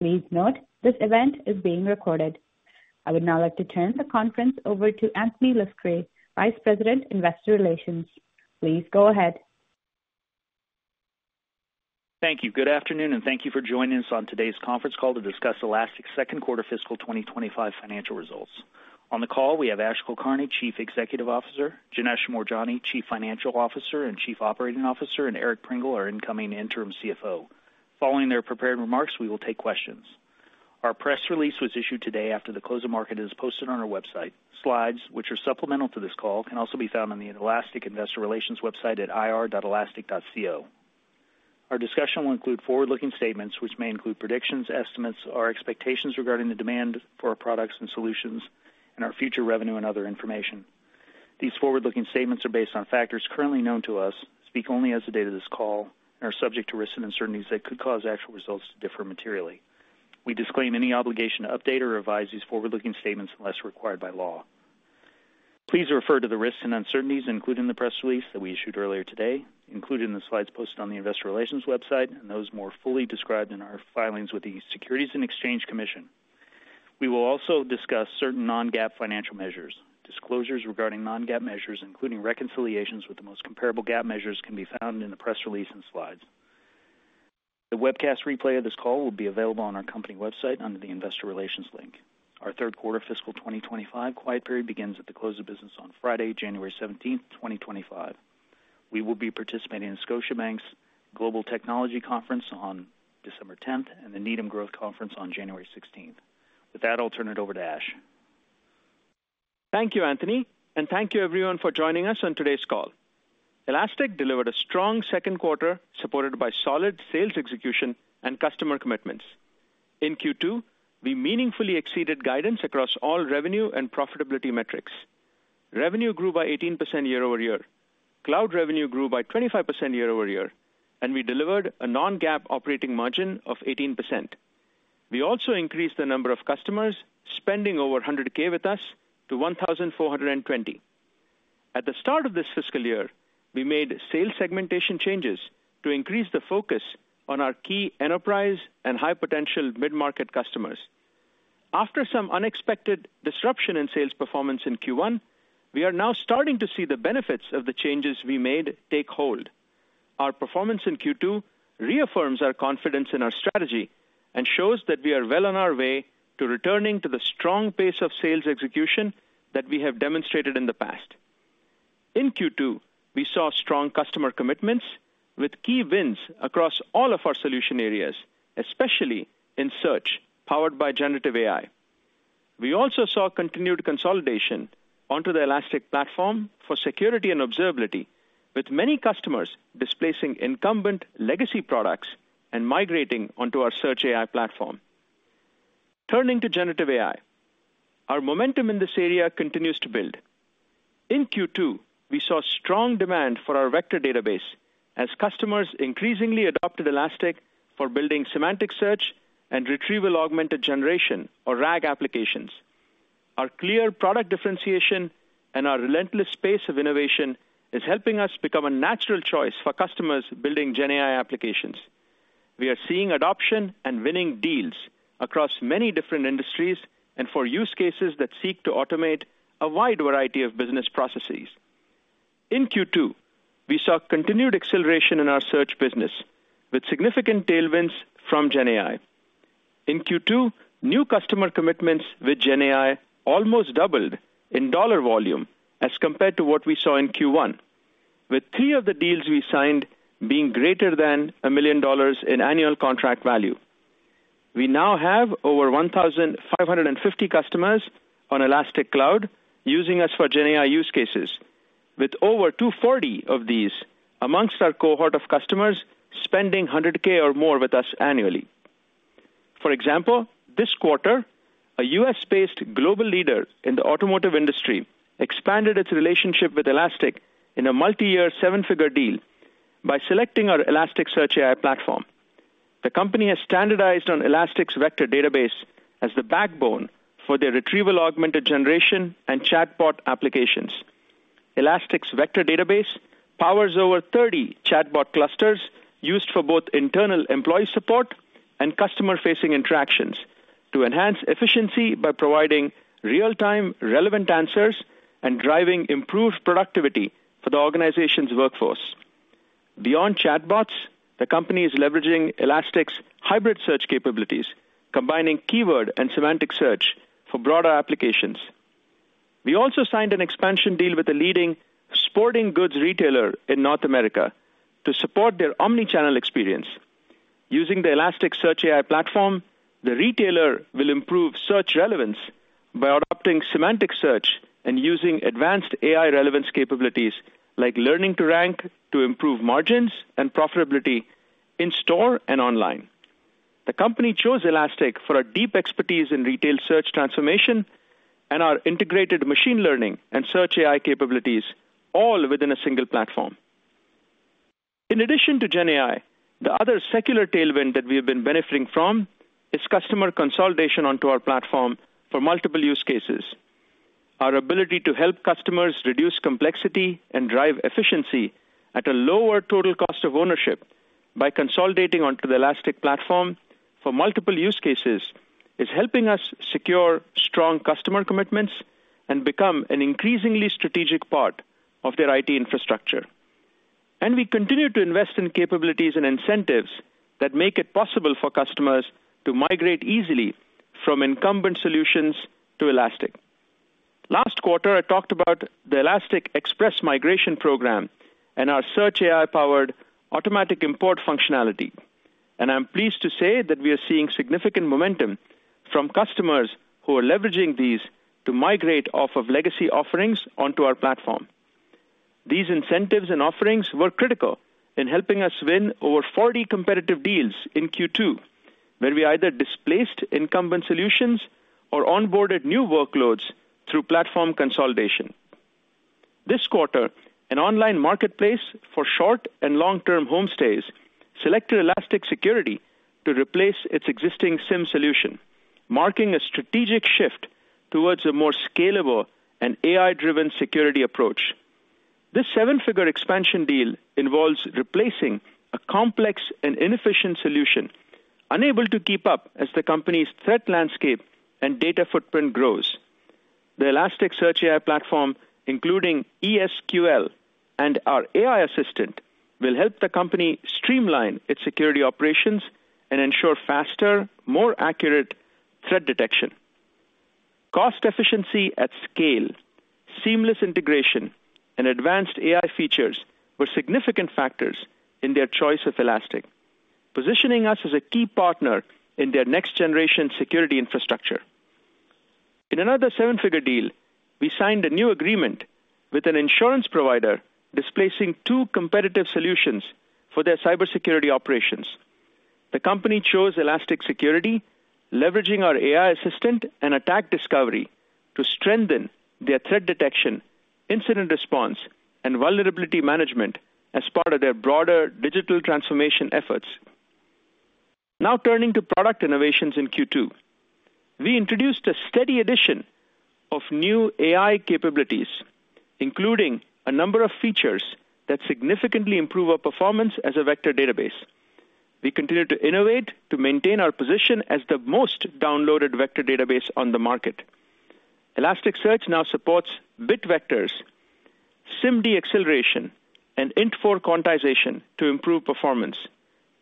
Please note, this event is being recorded. I would now like to turn the conference over to Anthony Luscri, Vice President, Investor Relations. Please go ahead. Thank you. Good afternoon, and thank you for joining us on today's conference call to discuss Elastic's second quarter fiscal 2025 financial results. On the call, we have Ash Kulkarni, Chief Executive Officer, Janesh Moorjani, Chief Financial Officer and Chief Operating Officer, and Eric Prengel, our incoming interim CFO. Following their prepared remarks, we will take questions. Our press release was issued today after the close of market, is posted on our website. Slides, which are supplemental to this call, can also be found on the Elastic Investor Relations website at ir.elastic.co. Our discussion will include forward-looking statements, which may include predictions, estimates, our expectations regarding the demand for our products and solutions, and our future revenue and other information. These forward-looking statements are based on factors currently known to us, speak only as of the date of this call, and are subject to risks and uncertainties that could cause actual results to differ materially. We disclaim any obligation to update or revise these forward-looking statements unless required by law. Please refer to the risks and uncertainties, including the press release that we issued earlier today, included in the slides posted on the Investor Relations website, and those more fully described in our filings with the Securities and Exchange Commission. We will also discuss certain non-GAAP financial measures. Disclosures regarding non-GAAP measures, including reconciliations with the most comparable GAAP measures, can be found in the press release and slides. The webcast replay of this call will be available on our company website under the Investor Relations link. Our third quarter fiscal 2025 quiet period begins at the close of business on Friday, January 17th, 2025. We will be participating in Scotiabank's Global Technology Conference on December 10th and the Needham Growth Conference on January 16th. With that, I'll turn it over to Ash. Thank you, Anthony, and thank you, everyone, for joining us on today's call. Elastic delivered a strong second quarter supported by solid sales execution and customer commitments. In Q2, we meaningfully exceeded guidance across all revenue and profitability metrics. Revenue grew by 18% year-over-year. Cloud revenue grew by 25% year-over-year, and we delivered a non-GAAP operating margin of 18%. We also increased the number of customers spending over 100K with us to 1,420. At the start of this fiscal year, we made sales segmentation changes to increase the focus on our key enterprise and high-potential mid-market customers. After some unexpected disruption in sales performance in Q1, we are now starting to see the benefits of the changes we made take hold. Our performance in Q2 reaffirms our confidence in our strategy and shows that we are well on our way to returning to the strong pace of sales execution that we have demonstrated in the past. In Q2, we saw strong customer commitments with key wins across all of our solution areas, especially in search powered by generative AI. We also saw continued consolidation onto the Elastic platform for security and observability, with many customers displacing incumbent legacy products and migrating onto our Search AI platform. Turning to generative AI, our momentum in this area continues to build. In Q2, we saw strong demand for our vector database as customers increasingly adopted Elastic for building semantic search and retrieval augmented generation, or RAG, applications. Our clear product differentiation and our relentless pace of innovation are helping us become a natural choice for customers building GenAI applications. We are seeing adoption and winning deals across many different industries and for use cases that seek to automate a wide variety of business processes. In Q2, we saw continued acceleration in our search business, with significant tailwinds from GenAI. In Q2, new customer commitments with GenAI almost doubled in dollar volume as compared to what we saw in Q1, with three of the deals we signed being greater than $1 million in annual contract value. We now have over 1,550 customers on Elastic Cloud using us for GenAI use cases, with over 240 of these amongst our cohort of customers spending 100K or more with us annually. For example, this quarter, a U.S.-based global leader in the automotive industry expanded its relationship with Elastic in a multi-year seven-figure deal by selecting our Elastic Search AI Platform. The company has standardized on Elastic's Vector Database as the backbone for their retrieval augmented generation and chatbot applications. Elastic's Vector Database powers over 30 chatbot clusters used for both internal employee support and customer-facing interactions to enhance efficiency by providing real-time relevant answers and driving improved productivity for the organization's workforce. Beyond chatbots, the company is leveraging Elastic's Hybrid Search capabilities, combining keyword and semantic search for broader applications. We also signed an expansion deal with a leading sporting goods retailer in North America to support their omnichannel experience. Using the Elastic Search AI Platform, the retailer will improve search relevance by adopting semantic search and using advanced AI relevance capabilities like learning to rank to improve margins and profitability in store and online. The company chose Elastic for our deep expertise in retail search transformation and our integrated machine learning and Search AI capabilities, all within a single platform. In addition to GenAI, the other secular tailwind that we have been benefiting from is customer consolidation onto our platform for multiple use cases. Our ability to help customers reduce complexity and drive efficiency at a lower total cost of ownership by consolidating onto the Elastic platform for multiple use cases is helping us secure strong customer commitments and become an increasingly strategic part of their IT infrastructure. And we continue to invest in capabilities and incentives that make it possible for customers to migrate easily from incumbent solutions to Elastic. Last quarter, I talked about the Elastic Express Migration program and our Search AI-powered automatic import functionality. And I'm pleased to say that we are seeing significant momentum from customers who are leveraging these to migrate off of legacy offerings onto our platform. These incentives and offerings were critical in helping us win over 40 competitive deals in Q2, where we either displaced incumbent solutions or onboarded new workloads through platform consolidation. This quarter, an online marketplace for short- and long-term homestays selected Elastic Security to replace its existing SIEM solution, marking a strategic shift towards a more scalable and AI-driven security approach. This seven-figure expansion deal involves replacing a complex and inefficient solution unable to keep up as the company's threat landscape and data footprint grows. The Elastic Search AI Platform, including ES|QL and our AI assistant, will help the company streamline its security operations and ensure faster, more accurate threat detection. Cost efficiency at scale, seamless integration, and advanced AI features were significant factors in their choice of Elastic, positioning us as a key partner in their next-generation security infrastructure. In another seven-figure deal, we signed a new agreement with an insurance provider displacing two competitive solutions for their cybersecurity operations. The company chose Elastic Security, leveraging our AI assistant and attack discovery to strengthen their threat detection, incident response, and vulnerability management as part of their broader digital transformation efforts. Now turning to product innovations in Q2, we introduced a steady addition of new AI capabilities, including a number of features that significantly improve our performance as a vector database. We continue to innovate to maintain our position as the most downloaded vector database on the market. Elasticsearch now supports bit vectors, SIMD acceleration, and Int4 quantization to improve performance.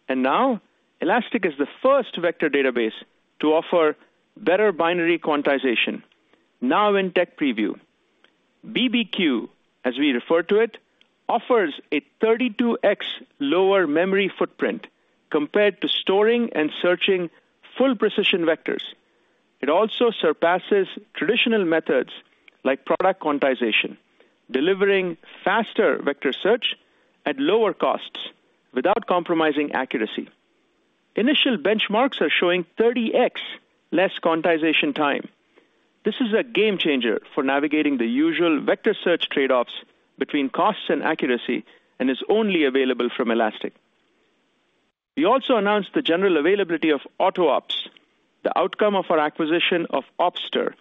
And now, Elastic is the first vector database to offer Better Binary Quantization, now in tech preview. BBQ, as we refer to it, offers a 32x lower memory footprint compared to storing and searching full precision vectors. It also surpasses traditional methods like product quantization, delivering faster vector search at lower costs without compromising accuracy. Initial benchmarks are showing 30x less quantization time. This is a game changer for navigating the usual vector search trade-offs between costs and accuracy and is only available from Elastic. We also announced the general availability of AutoOps, the outcome of our acquisition of Opster,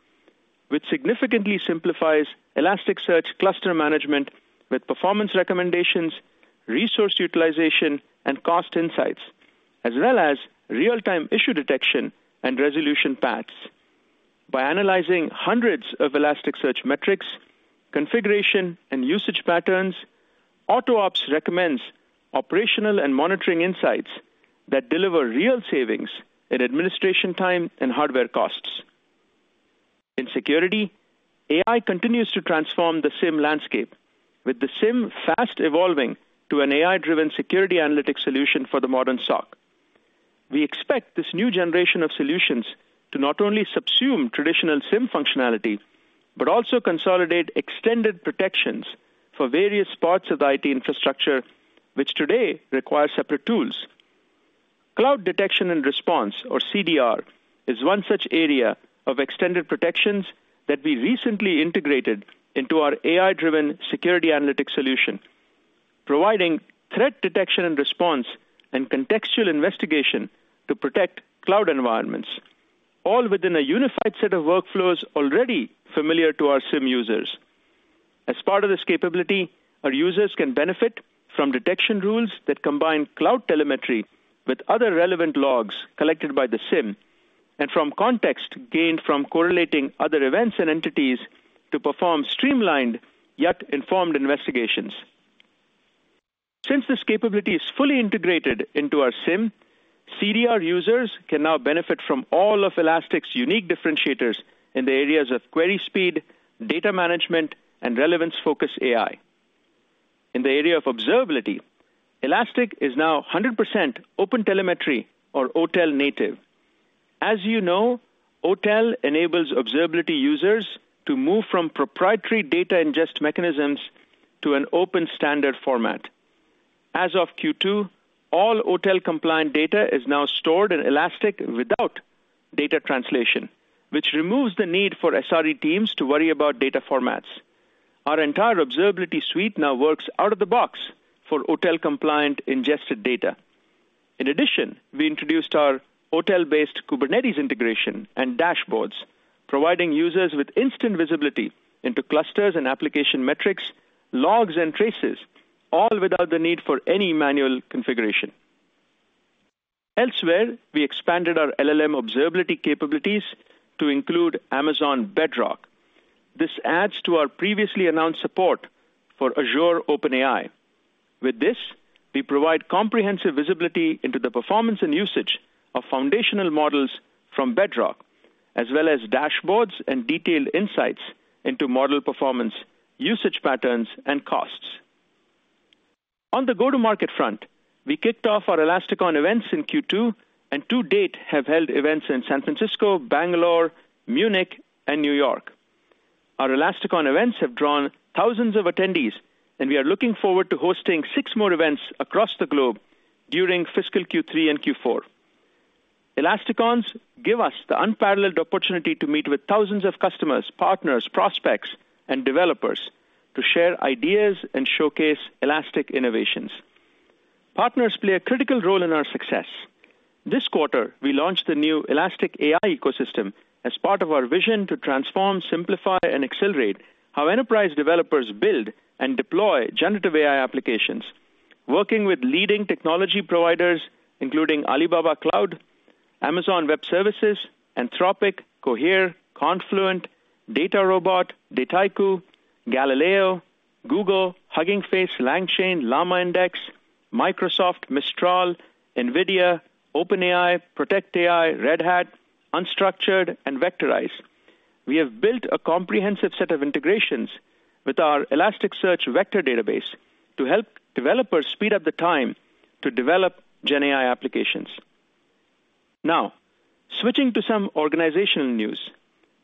which significantly simplifies Elasticsearch cluster management with performance recommendations, resource utilization, and cost insights, as well as real-time issue detection and resolution paths. By analyzing hundreds of Elasticsearch metrics, configuration, and usage patterns, AutoOps recommends operational and monitoring insights that deliver real savings in administration time and hardware costs. In security, AI continues to transform the SIEM landscape, with the SIEM fast evolving to an AI-driven security analytics solution for the modern SOC. We expect this new generation of solutions to not only subsume traditional SIEM functionality but also consolidate extended protections for various parts of the IT infrastructure, which today require separate tools. Cloud Detection and Response, or CDR, is one such area of extended protections that we recently integrated into our AI-driven security analytics solution, providing threat detection and response and contextual investigation to protect cloud environments, all within a unified set of workflows already familiar to our SIEM users. As part of this capability, our users can benefit from detection rules that combine cloud telemetry with other relevant logs collected by the SIEM and from context gained from correlating other events and entities to perform streamlined yet informed investigations. Since this capability is fully integrated into our SIEM, CDR users can now benefit from all of Elastic's unique differentiators in the areas of query speed, data management, and relevance-focused AI. In the area of observability, Elastic is now 100% OpenTelemetry, or OTel native. As you know, OTel enables observability users to move from proprietary data ingest mechanisms to an open standard format. As of Q2, all OTel-compliant data is now stored in Elastic without data translation, which removes the need for SRE teams to worry about data formats. Our entire observability suite now works out of the box for OTel-compliant ingested data. In addition, we introduced our OTel-based Kubernetes integration and dashboards, providing users with instant visibility into clusters and application metrics, logs, and traces, all without the need for any manual configuration. Elsewhere, we expanded our LLM observability capabilities to include Amazon Bedrock. This adds to our previously announced support for Azure OpenAI. With this, we provide comprehensive visibility into the performance and usage of foundational models from Bedrock, as well as dashboards and detailed insights into model performance, usage patterns, and costs. On the go-to-market front, we kicked off our ElasticON events in Q2, and to date, have held events in San Francisco, Bangalore, Munich, and New York. Our ElasticON events have drawn thousands of attendees, and we are looking forward to hosting six more events across the globe during fiscal Q3 and Q4. ElasticONs give us the unparalleled opportunity to meet with thousands of customers, partners, prospects, and developers to share ideas and showcase Elastic innovations. Partners play a critical role in our success. This quarter, we launched the new Elastic AI Ecosystem as part of our vision to transform, simplify, and accelerate how enterprise developers build and deploy generative AI applications, working with leading technology providers, including Alibaba Cloud, Amazon Web Services, Anthropic, Cohere, Confluent, DataRobot, Dataiku, Galileo, Google, Hugging Face, LangChain, LlamaIndex, Microsoft, Mistral, NVIDIA, OpenAI, Protect AI, Red Hat, Unstructured, and Vectorize. We have built a comprehensive set of integrations with our Elasticsearch vector database to help developers speed up the time to develop GenAI applications. Now, switching to some organizational news,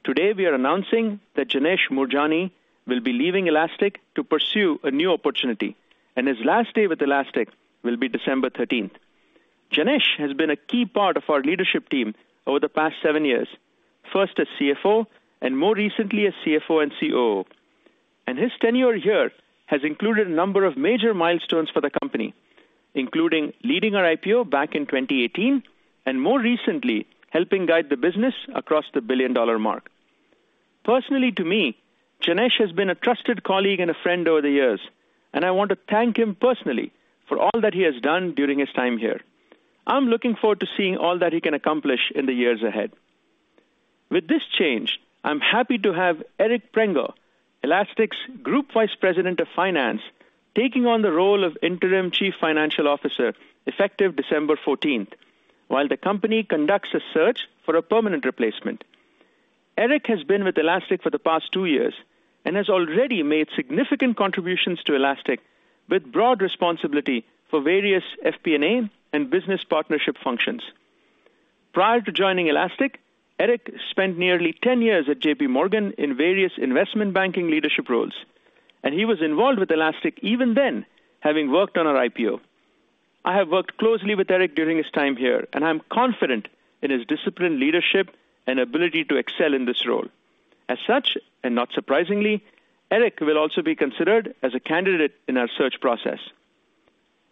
today we are announcing that Janesh Moorjani will be leaving Elastic to pursue a new opportunity, and his last day with Elastic will be December 13. Janesh has been a key part of our leadership team over the past seven years, first as CFO and more recently as CFO and COO, and his tenure here has included a number of major milestones for the company, including leading our IPO back in 2018 and more recently helping guide the business across the billion-dollar mark. Personally, to me, Janesh has been a trusted colleague and a friend over the years, and I want to thank him personally for all that he has done during his time here. I'm looking forward to seeing all that he can accomplish in the years ahead. With this change, I'm happy to have Eric Prengel, Elastic's Group Vice President of Finance, taking on the role of Interim Chief Financial Officer effective December 14, while the company conducts a search for a permanent replacement. Eric has been with Elastic for the past two years and has already made significant contributions to Elastic with broad responsibility for various FP&A and business partnership functions. Prior to joining Elastic, Eric spent nearly 10 years at J.P. Morgan in various investment banking leadership roles, and he was involved with Elastic even then, having worked on our IPO. I have worked closely with Eric during his time here, and I'm confident in his disciplined leadership and ability to excel in this role. As such, and not surprisingly, Eric will also be considered as a candidate in our search process.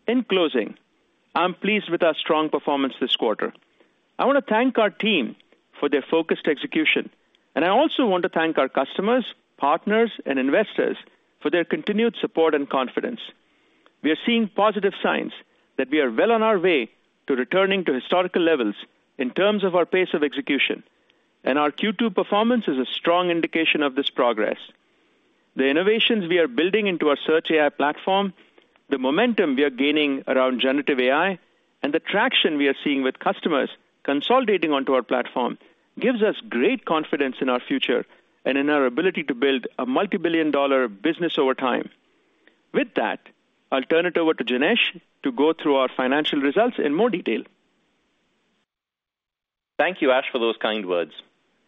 In closing, I'm pleased with our strong performance this quarter. I want to thank our team for their focused execution, and I also want to thank our customers, partners, and investors for their continued support and confidence. We are seeing positive signs that we are well on our way to returning to historical levels in terms of our pace of execution, and our Q2 performance is a strong indication of this progress. The innovations we are building into our Search AI Platform, the momentum we are gaining around generative AI, and the traction we are seeing with customers consolidating onto our platform gives us great confidence in our future and in our ability to build a multi-billion-dollar business over time. With that, I'll turn it over to Janesh to go through our financial results in more detail. Thank you, Ash, for those kind words.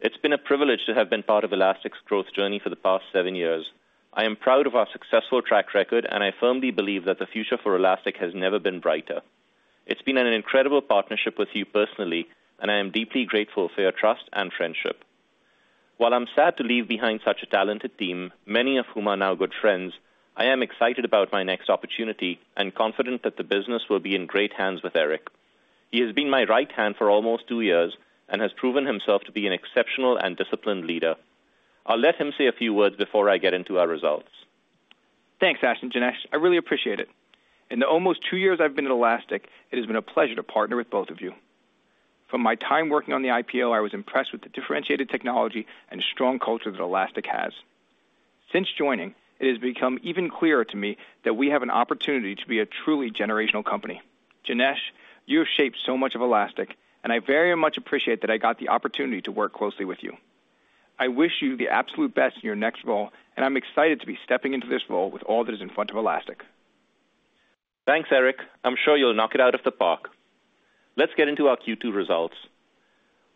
It's been a privilege to have been part of Elastic's growth journey for the past seven years. I am proud of our successful track record, and I firmly believe that the future for Elastic has never been brighter. It's been an incredible partnership with you personally, and I am deeply grateful for your trust and friendship. While I'm sad to leave behind such a talented team, many of whom are now good friends, I am excited about my next opportunity and confident that the business will be in great hands with Eric. He has been my right hand for almost two years and has proven himself to be an exceptional and disciplined leader. I'll let him say a few words before I get into our results. Thanks, Ash and Janesh. I really appreciate it. In the almost two years I've been at Elastic, it has been a pleasure to partner with both of you. From my time working on the IPO, I was impressed with the differentiated technology and strong culture that Elastic has. Since joining, it has become even clearer to me that we have an opportunity to be a truly generational company. Janesh, you have shaped so much of Elastic, and I very much appreciate that I got the opportunity to work closely with you. I wish you the absolute best in your next role, and I'm excited to be stepping into this role with all that is in front of Elastic. Thanks, Eric. I'm sure you'll knock it out of the park. Let's get into our Q2 results.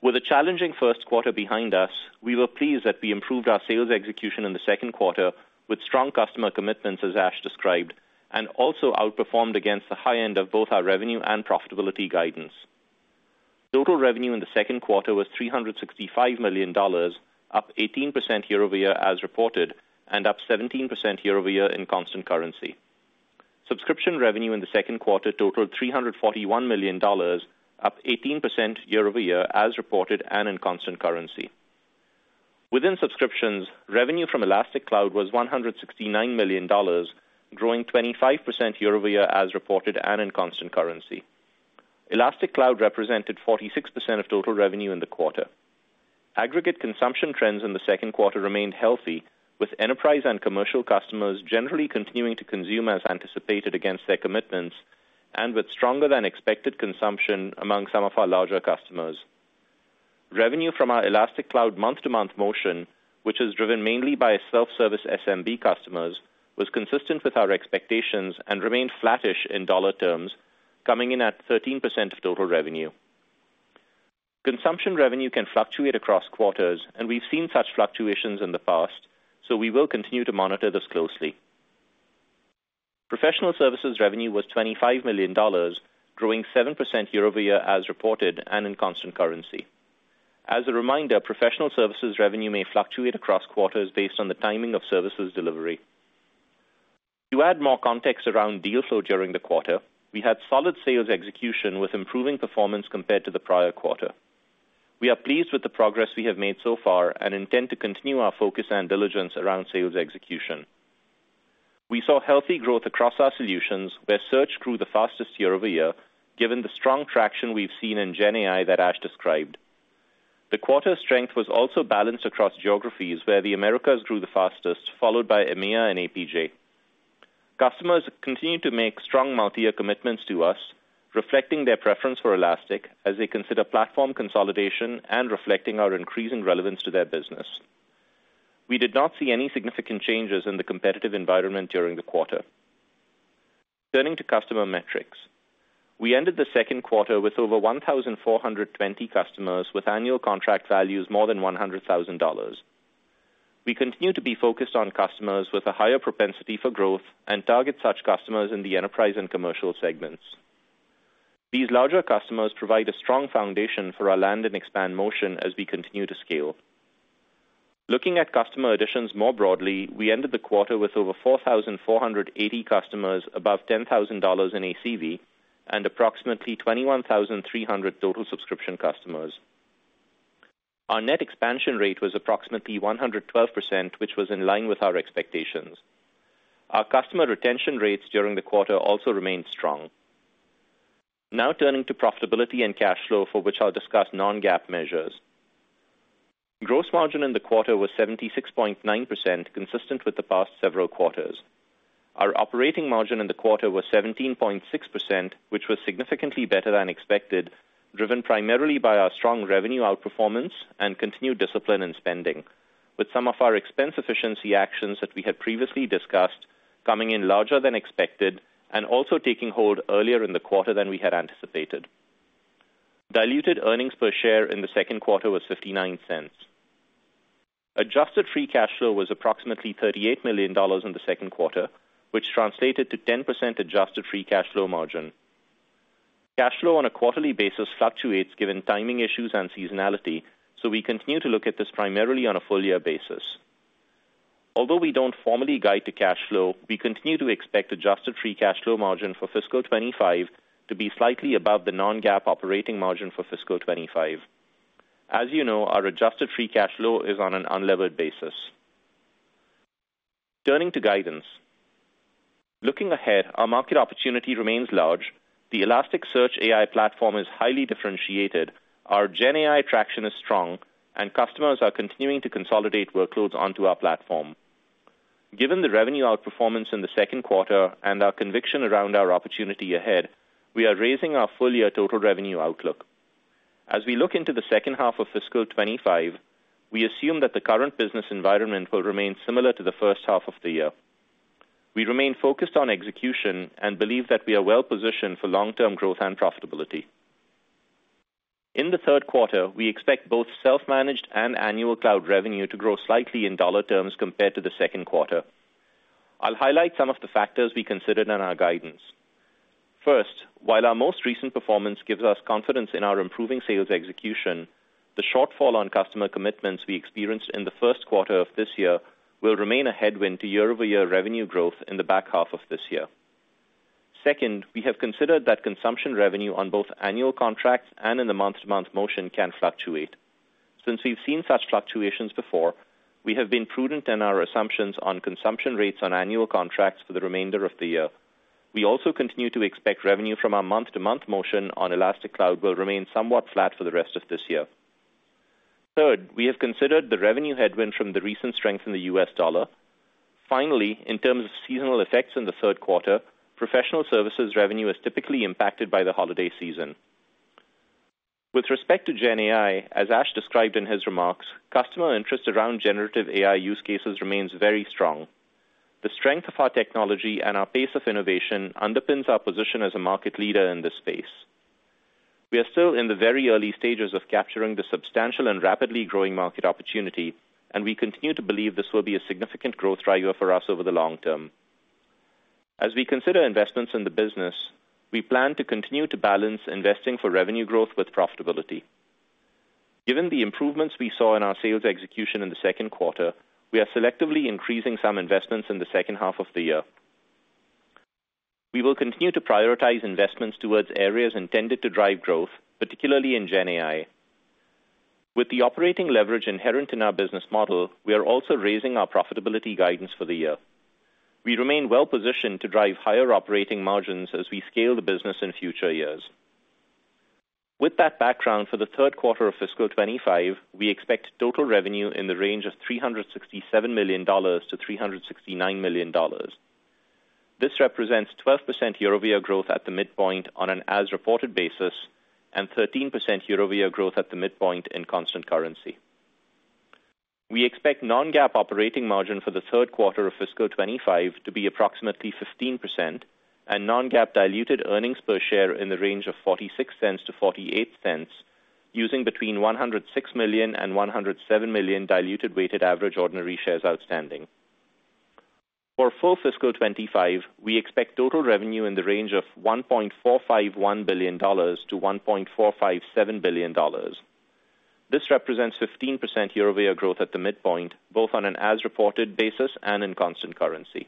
With a challenging first quarter behind us, we were pleased that we improved our sales execution in the second quarter with strong customer commitments, as Ash described, and also outperformed against the high end of both our revenue and profitability guidance. Total revenue in the second quarter was $365 million, up 18% year-over-year as reported and up 17% year-over-year in constant currency. Subscription revenue in the second quarter totaled $341 million, up 18% year-over-year as reported and in constant currency. Within subscriptions, revenue from Elastic Cloud was $169 million, growing 25% year-over-year as reported and in constant currency. Elastic Cloud represented 46% of total revenue in the quarter. Aggregate consumption trends in the second quarter remained healthy, with enterprise and commercial customers generally continuing to consume as anticipated against their commitments and with stronger-than-expected consumption among some of our larger customers. Revenue from our Elastic Cloud month-to-month motion, which is driven mainly by self-service SMB customers, was consistent with our expectations and remained flattish in dollar terms, coming in at 13% of total revenue. Consumption revenue can fluctuate across quarters, and we've seen such fluctuations in the past, so we will continue to monitor this closely. Professional services revenue was $25 million, growing 7% year-over-year as reported and in constant currency. As a reminder, professional services revenue may fluctuate across quarters based on the timing of services delivery. To add more context around deal flow during the quarter, we had solid sales execution with improving performance compared to the prior quarter. We are pleased with the progress we have made so far and intend to continue our focus and diligence around sales execution. We saw healthy growth across our solutions, where Search grew the fastest year-over-year, given the strong traction we've seen in GenAI that Ash described. The quarter strength was also balanced across geographies, where the Americas grew the fastest, followed by EMEA and APJ. Customers continue to make strong multi-year commitments to us, reflecting their preference for Elastic as they consider platform consolidation and reflecting our increasing relevance to their business. We did not see any significant changes in the competitive environment during the quarter. Turning to customer metrics, we ended the second quarter with over 1,420 customers with annual contract values more than $100,000. We continue to be focused on customers with a higher propensity for growth and target such customers in the enterprise and commercial segments. These larger customers provide a strong foundation for our land and expand motion as we continue to scale. Looking at customer additions more broadly, we ended the quarter with over 4,480 customers above $10,000 in ACV and approximately 21,300 total subscription customers. Our net expansion rate was approximately 112%, which was in line with our expectations. Our customer retention rates during the quarter also remained strong. Now turning to profitability and cash flow, for which I'll discuss non-GAAP measures. Gross margin in the quarter was 76.9%, consistent with the past several quarters. Our operating margin in the quarter was 17.6%, which was significantly better than expected, driven primarily by our strong revenue outperformance and continued discipline in spending, with some of our expense efficiency actions that we had previously discussed coming in larger than expected and also taking hold earlier in the quarter than we had anticipated. Diluted earnings per share in the second quarter was $0.59. Adjusted free cash flow was approximately $38 million in the second quarter, which translated to 10% adjusted free cash flow margin. Cash flow on a quarterly basis fluctuates given timing issues and seasonality, so we continue to look at this primarily on a full-year basis. Although we don't formally guide to cash flow, we continue to expect adjusted free cash flow margin for fiscal 2025 to be slightly above the non-GAAP operating margin for fiscal 2025. As you know, our adjusted free cash flow is on an unlevered basis. Turning to guidance, looking ahead, our market opportunity remains large. The Elastic Search AI Platform is highly differentiated. Our GenAI traction is strong, and customers are continuing to consolidate workloads onto our platform. Given the revenue outperformance in the second quarter and our conviction around our opportunity ahead, we are raising our full-year total revenue outlook. As we look into the second half of fiscal 2025, we assume that the current business environment will remain similar to the first half of the year. We remain focused on execution and believe that we are well positioned for long-term growth and profitability. In the third quarter, we expect both self-managed and annual cloud revenue to grow slightly in dollar terms compared to the second quarter. I'll highlight some of the factors we considered in our guidance. First, while our most recent performance gives us confidence in our improving sales execution, the shortfall on customer commitments we experienced in the first quarter of this year will remain a headwind to year-over-year revenue growth in the back half of this year. Second, we have considered that consumption revenue on both annual contracts and in the month-to-month motion can fluctuate. Since we've seen such fluctuations before, we have been prudent in our assumptions on consumption rates on annual contracts for the remainder of the year. We also continue to expect revenue from our month-to-month motion on Elastic Cloud will remain somewhat flat for the rest of this year. Third, we have considered the revenue headwind from the recent strength in the U.S. dollar. Finally, in terms of seasonal effects in the third quarter, professional services revenue is typically impacted by the holiday season. With respect to GenAI, as Ash described in his remarks, customer interest around generative AI use cases remains very strong. The strength of our technology and our pace of innovation underpins our position as a market leader in this space. We are still in the very early stages of capturing the substantial and rapidly growing market opportunity, and we continue to believe this will be a significant growth driver for us over the long term. As we consider investments in the business, we plan to continue to balance investing for revenue growth with profitability. Given the improvements we saw in our sales execution in the second quarter, we are selectively increasing some investments in the second half of the year. We will continue to prioritize investments towards areas intended to drive growth, particularly in GenAI. With the operating leverage inherent in our business model, we are also raising our profitability guidance for the year. We remain well positioned to drive higher operating margins as we scale the business in future years. With that background, for the third quarter of fiscal 2025, we expect total revenue in the range of $367 million-$369 million. This represents 12% year-over-year growth at the midpoint on an as-reported basis and 13% year-over-year growth at the midpoint in constant currency. We expect non-GAAP operating margin for the third quarter of fiscal 2025 to be approximately 15% and non-GAAP diluted earnings per share in the range of $0.46-$0.48, using between 106 million and 107 million diluted weighted average ordinary shares outstanding. For full fiscal 2025, we expect total revenue in the range of $1.451 billion-$1.457 billion. This represents 15% year-over-year growth at the midpoint, both on an as-reported basis and in constant currency.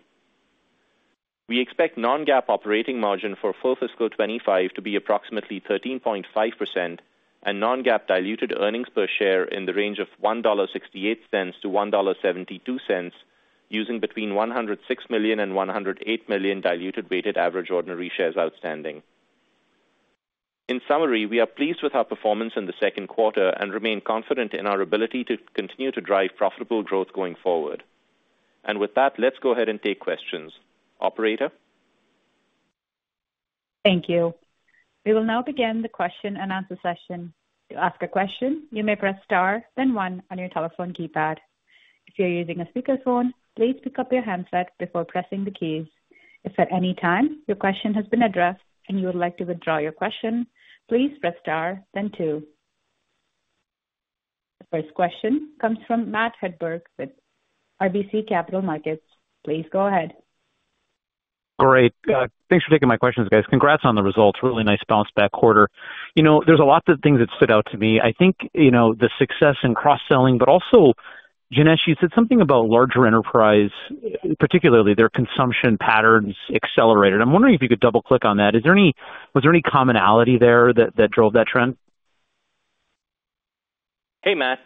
We expect non-GAAP operating margin for full fiscal 2025 to be approximately 13.5% and non-GAAP diluted earnings per share in the range of $1.68-$1.72, using between 106 million and 108 million diluted weighted average ordinary shares outstanding. In summary, we are pleased with our performance in the second quarter and remain confident in our ability to continue to drive profitable growth going forward. And with that, let's go ahead and take questions. Operator? Thank you. We will now begin the question and answer session. To ask a question, you may press star, then one on your telephone keypad. If you're using a speakerphone, please pick up your handset before pressing the keys. If at any time your question has been addressed and you would like to withdraw your question, please press star, then two. The first question comes from Matt Hedberg with RBC Capital Markets. Please go ahead. All right. Thanks for taking my questions, guys. Congrats on the results. Really nice bounce-back quarter. There's a lot of things that stood out to me. I think the success in cross-selling, but also, Janesh, you said something about larger enterprise, particularly their consumption patterns accelerated. I'm wondering if you could double-click on that. Was there any commonality there that drove that trend? Hey, Matt.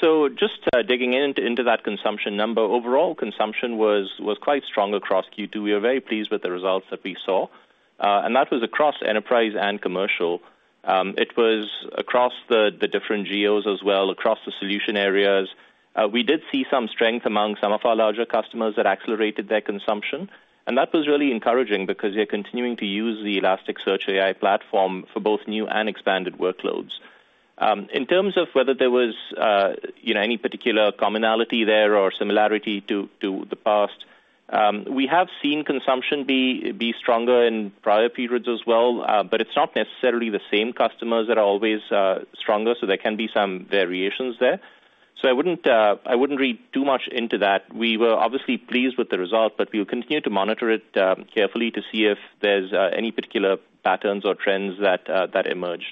So just digging into that consumption number, overall consumption was quite strong across Q2. We were very pleased with the results that we saw. And that was across enterprise and commercial. It was across the different Geos as well, across the solution areas. We did see some strength among some of our larger customers that accelerated their consumption. And that was really encouraging because they're continuing to use the Elastic Search AI Platform for both new and expanded workloads. In terms of whether there was any particular commonality there or similarity to the past, we have seen consumption be stronger in prior periods as well, but it's not necessarily the same customers that are always stronger, so there can be some variations there. So I wouldn't read too much into that. We were obviously pleased with the result, but we will continue to monitor it carefully to see if there's any particular patterns or trends that emerge.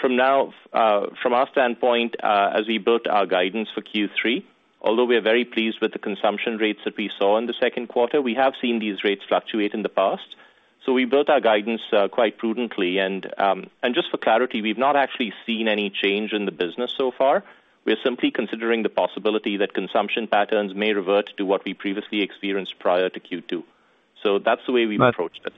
From our standpoint, as we built our guidance for Q3, although we are very pleased with the consumption rates that we saw in the second quarter, we have seen these rates fluctuate in the past. So we built our guidance quite prudently. And just for clarity, we've not actually seen any change in the business so far. We're simply considering the possibility that consumption patterns may revert to what we previously experienced prior to Q2. So that's the way we've approached it.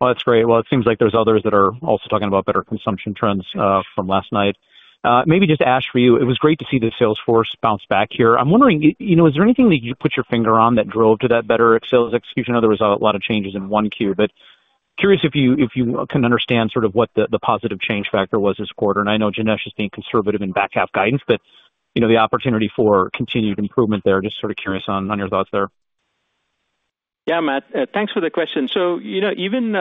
Well, that's great. Well, it seems like there's others that are also talking about better consumption trends from last night. Maybe just Ash, for you, it was great to see the sales force bounce back here. I'm wondering, is there anything that you put your finger on that drove to that better sales execution? There were a lot of changes in Q1, but curious if you can understand sort of what the positive change factor was this quarter. And I know Janesh is being conservative in back half guidance, but the opportunity for continued improvement there, just sort of curious on your thoughts there. Yeah, Matt. Thanks for the question. So even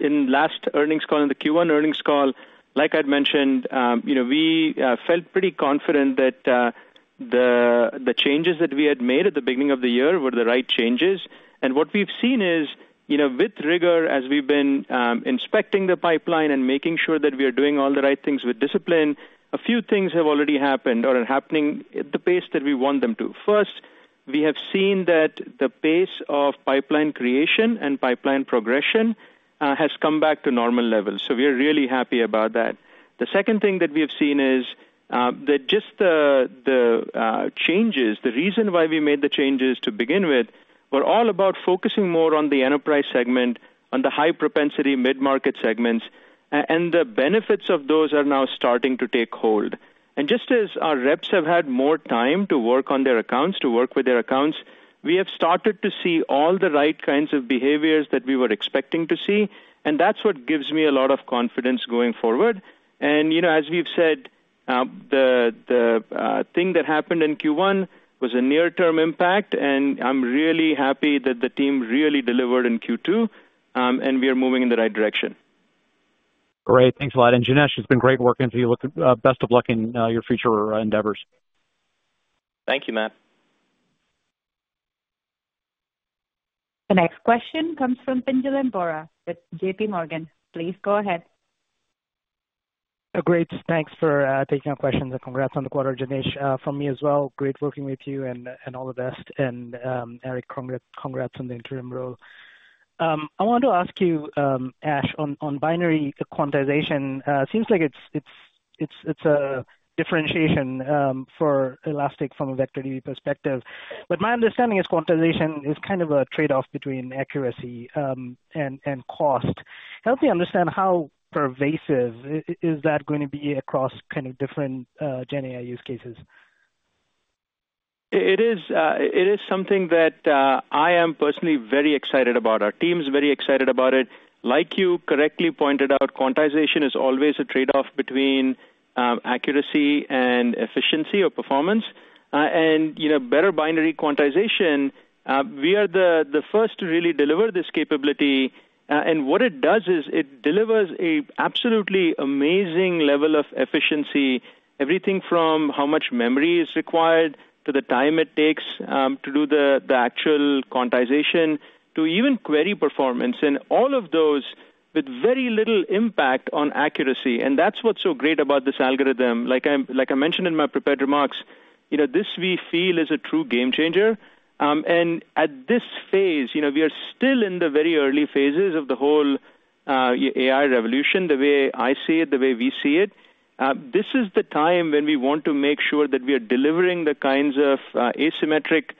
in last earnings call, in the Q1 earnings call, like I'd mentioned, we felt pretty confident that the changes that we had made at the beginning of the year were the right changes. And what we've seen is, with rigor, as we've been inspecting the pipeline and making sure that we are doing all the right things with discipline, a few things have already happened or are happening at the pace that we want them to. First, we have seen that the pace of pipeline creation and pipeline progression has come back to normal levels. So we are really happy about that. The second thing that we have seen is that just the changes, the reason why we made the changes to begin with, were all about focusing more on the enterprise segment, on the high-propensity mid-market segments, and the benefits of those are now starting to take hold. And just as our reps have had more time to work on their accounts, to work with their accounts, we have started to see all the right kinds of behaviors that we were expecting to see. And that's what gives me a lot of confidence going forward. And as we've said, the thing that happened in Q1 was a near-term impact, and I'm really happy that the team really delivered in Q2, and we are moving in the right direction. Great. Thanks a lot. And Janesh, it's been great working for you. Best of luck in your future endeavors. Thank you, Matt. The next question comes from Pinjalim Bora with J.P. Morgan. Please go ahead. Great. Thanks for taking our questions. And congrats on the quarter, Janesh, from me as well. Great working with you and all the best. And Eric, congrats on the interim role. I wanted to ask you, Ash, on binary quantization. It seems like it's a differentiation for Elastic from a vector DB perspective. But my understanding is quantization is kind of a trade-off between accuracy and cost. Help me understand how pervasive is that going to be across kind of different GenAI use cases? It is something that I am personally very excited about. Our team's very excited about it. Like you correctly pointed out, quantization is always a trade-off between accuracy and efficiency or performance. And better binary quantization, we are the first to really deliver this capability. And what it does is it delivers an absolutely amazing level of efficiency, everything from how much memory is required to the time it takes to do the actual quantization to even query performance in all of those with very little impact on accuracy. And that's what's so great about this algorithm. Like I mentioned in my prepared remarks, this we feel is a true game changer, and at this phase, we are still in the very early phases of the whole AI revolution, the way I see it, the way we see it. This is the time when we want to make sure that we are delivering the kinds of asymmetric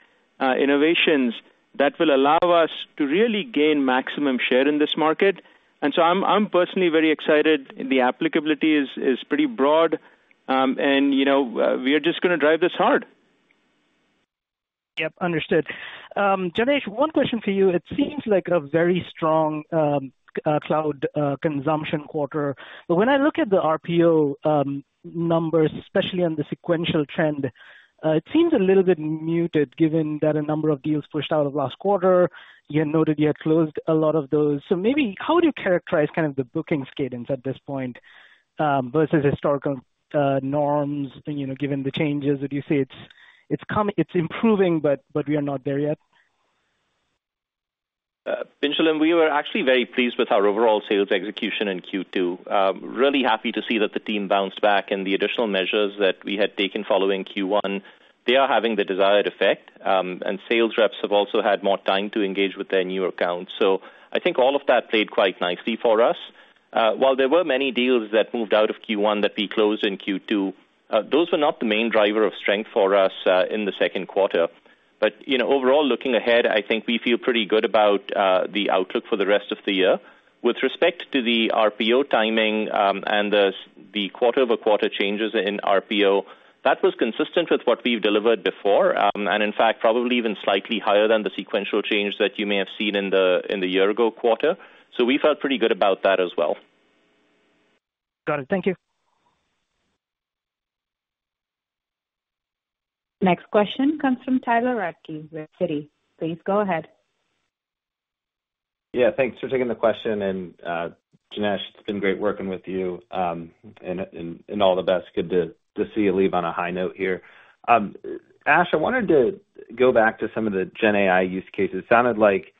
innovations that will allow us to really gain maximum share in this market, and so I'm personally very excited. The applicability is pretty broad, and we are just going to drive this hard. Yep, understood. Janesh, one question for you. It seems like a very strong cloud consumption quarter, but when I look at the RPO numbers, especially on the sequential trend, it seems a little bit muted given that a number of deals pushed out of last quarter. You had noted you had closed a lot of those. So maybe how would you characterize kind of the booking cadence at this point versus historical norms given the changes? Would you say it's improving, but we are not there yet? Pinjalim, and we were actually very pleased with our overall sales execution in Q2. Really happy to see that the team bounced back and the additional measures that we had taken following Q1, they are having the desired effect. And sales reps have also had more time to engage with their new accounts. So I think all of that played quite nicely for us. While there were many deals that moved out of Q1 that we closed in Q2, those were not the main driver of strength for us in the second quarter. But overall, looking ahead, I think we feel pretty good about the outlook for the rest of the year. With respect to the RPO timing and the quarter-over-quarter changes in RPO, that was consistent with what we've delivered before and, in fact, probably even slightly higher than the sequential change that you may have seen in the year-ago quarter. So we felt pretty good about that as well. Got it. Thank you. Next question comes from Tyler Radke with Citi. Please go ahead. Yeah, thanks for taking the question. And Janesh, it's been great working with you and all the best. Good to see you leave on a high note here. Ash, I wanted to go back to some of the GenAI use cases. Sounded like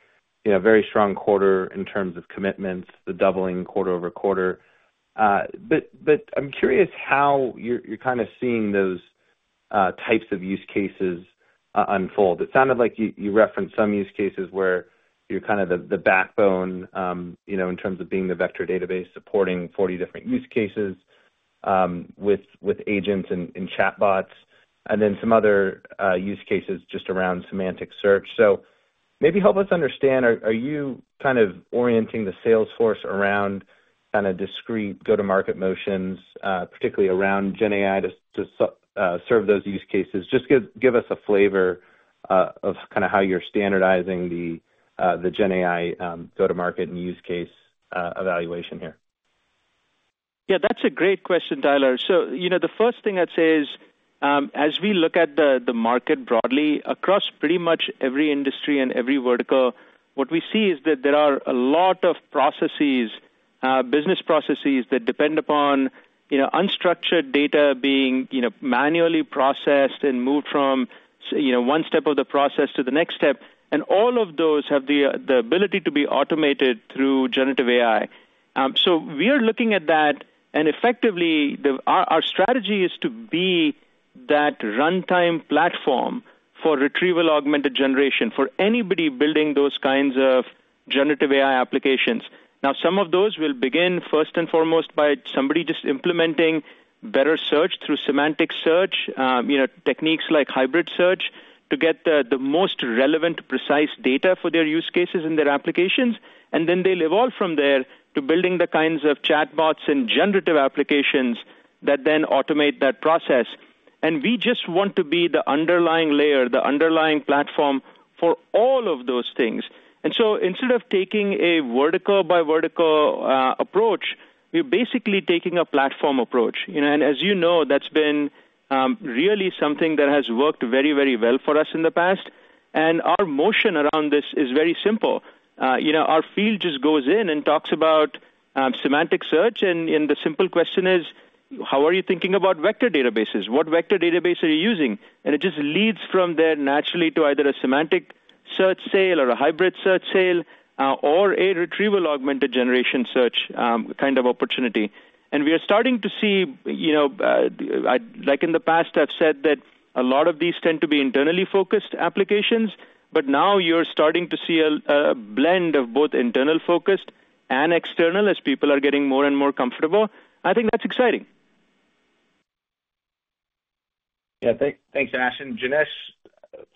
a very strong quarter in terms of commitments, the doubling quarter-over-quarter. But I'm curious how you're kind of seeing those types of use cases unfold. It sounded like you referenced some use cases where you're kind of the backbone in terms of being the vector database, supporting 40 different use cases with agents and chatbots, and then some other use cases just around semantic search. So maybe help us understand, are you kind of orienting the sales force around kind of discrete go-to-market motions, particularly around GenAI to serve those use cases? Just give us a flavor of kind of how you're standardizing the GenAI go-to-market and use case evaluation here. Yeah, that's a great question, Tyler. So the first thing I'd say is, as we look at the market broadly, across pretty much every industry and every vertical, what we see is that there are a lot of business processes that depend upon unstructured data being manually processed and moved from one step of the process to the next step. And all of those have the ability to be automated through generative AI. So we are looking at that. And effectively, our strategy is to be that runtime platform for retrieval augmented generation for anybody building those kinds of generative AI applications. Now, some of those will begin, first and foremost, by somebody just implementing better search through semantic search, techniques like hybrid search, to get the most relevant, precise data for their use cases and their applications. And then they'll evolve from there to building the kinds of chatbots and generative applications that then automate that process. And we just want to be the underlying layer, the underlying platform for all of those things. And so instead of taking a vertical-by-vertical approach, we're basically taking a platform approach. And as you know, that's been really something that has worked very, very well for us in the past. Our motion around this is very simple. Our field just goes in and talks about semantic search. The simple question is, how are you thinking about vector databases? What vector database are you using? It just leads from there naturally to either a semantic search sale or a hybrid search sale or a retrieval augmented generation search kind of opportunity. We are starting to see, like in the past, I've said that a lot of these tend to be internally focused applications. But now you're starting to see a blend of both internal-focused and external as people are getting more and more comfortable. I think that's exciting. Yeah, thanks, Ash. And Janesh,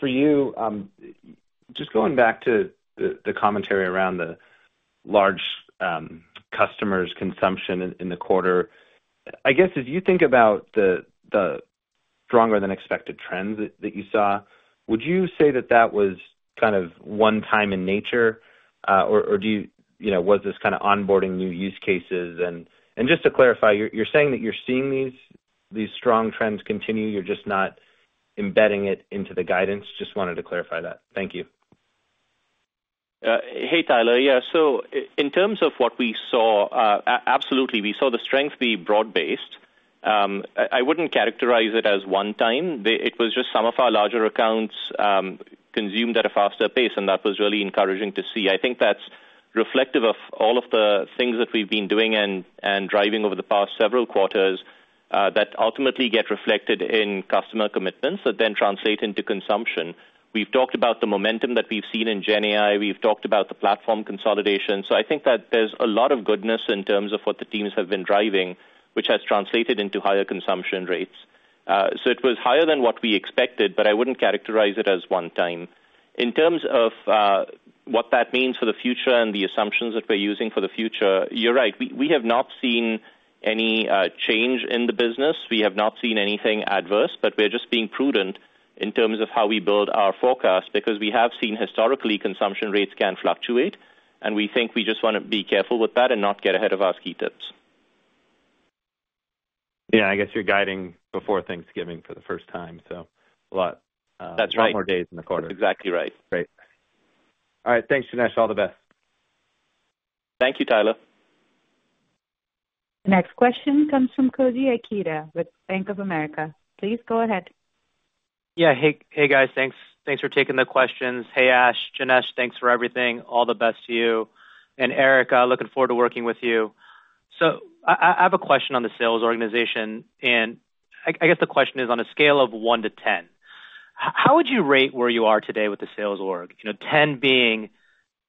for you, just going back to the commentary around the large customers' consumption in the quarter, I guess as you think about the stronger-than-expected trends that you saw, would you say that that was kind of one-time in nature? Or was this kind of onboarding new use cases? And just to clarify, you're saying that you're seeing these strong trends continue. You're just not embedding it into the guidance. Just wanted to clarify that. Thank you. Hey, Tyler. Yeah, so in terms of what we saw, absolutely, we saw the strength be broad-based. I wouldn't characterize it as one-time. It was just some of our larger accounts consumed at a faster pace, and that was really encouraging to see. I think that's reflective of all of the things that we've been doing and driving over the past several quarters that ultimately get reflected in customer commitments that then translate into consumption. We've talked about the momentum that we've seen in GenAI. We've talked about the platform consolidation. So I think that there's a lot of goodness in terms of what the teams have been driving, which has translated into higher consumption rates. So it was higher than what we expected, but I wouldn't characterize it as one-time. In terms of what that means for the future and the assumptions that we're using for the future, you're right. We have not seen any change in the business. We have not seen anything adverse, but we're just being prudent in terms of how we build our forecast because we have seen historically consumption rates can fluctuate. And we think we just want to be careful with that and not get ahead of our ski tips. Yeah, I guess you're guiding before Thanksgiving for the first time. So a lot more days in the quarter. That's right. Exactly right. Great. All right. Thanks, Janesh. All the best. Thank you, Tyler. The next question comes from Koji Ikeda with Bank of America. Please go ahead. Yeah. Hey, guys. Thanks for taking the questions. Hey, Ash. Janesh, thanks for everything. All the best to you. And Eric, looking forward to working with you. So I have a question on the sales organization. And I guess the question is, on a scale of one to 10, how would you rate where you are today with the Sales Org, 10 being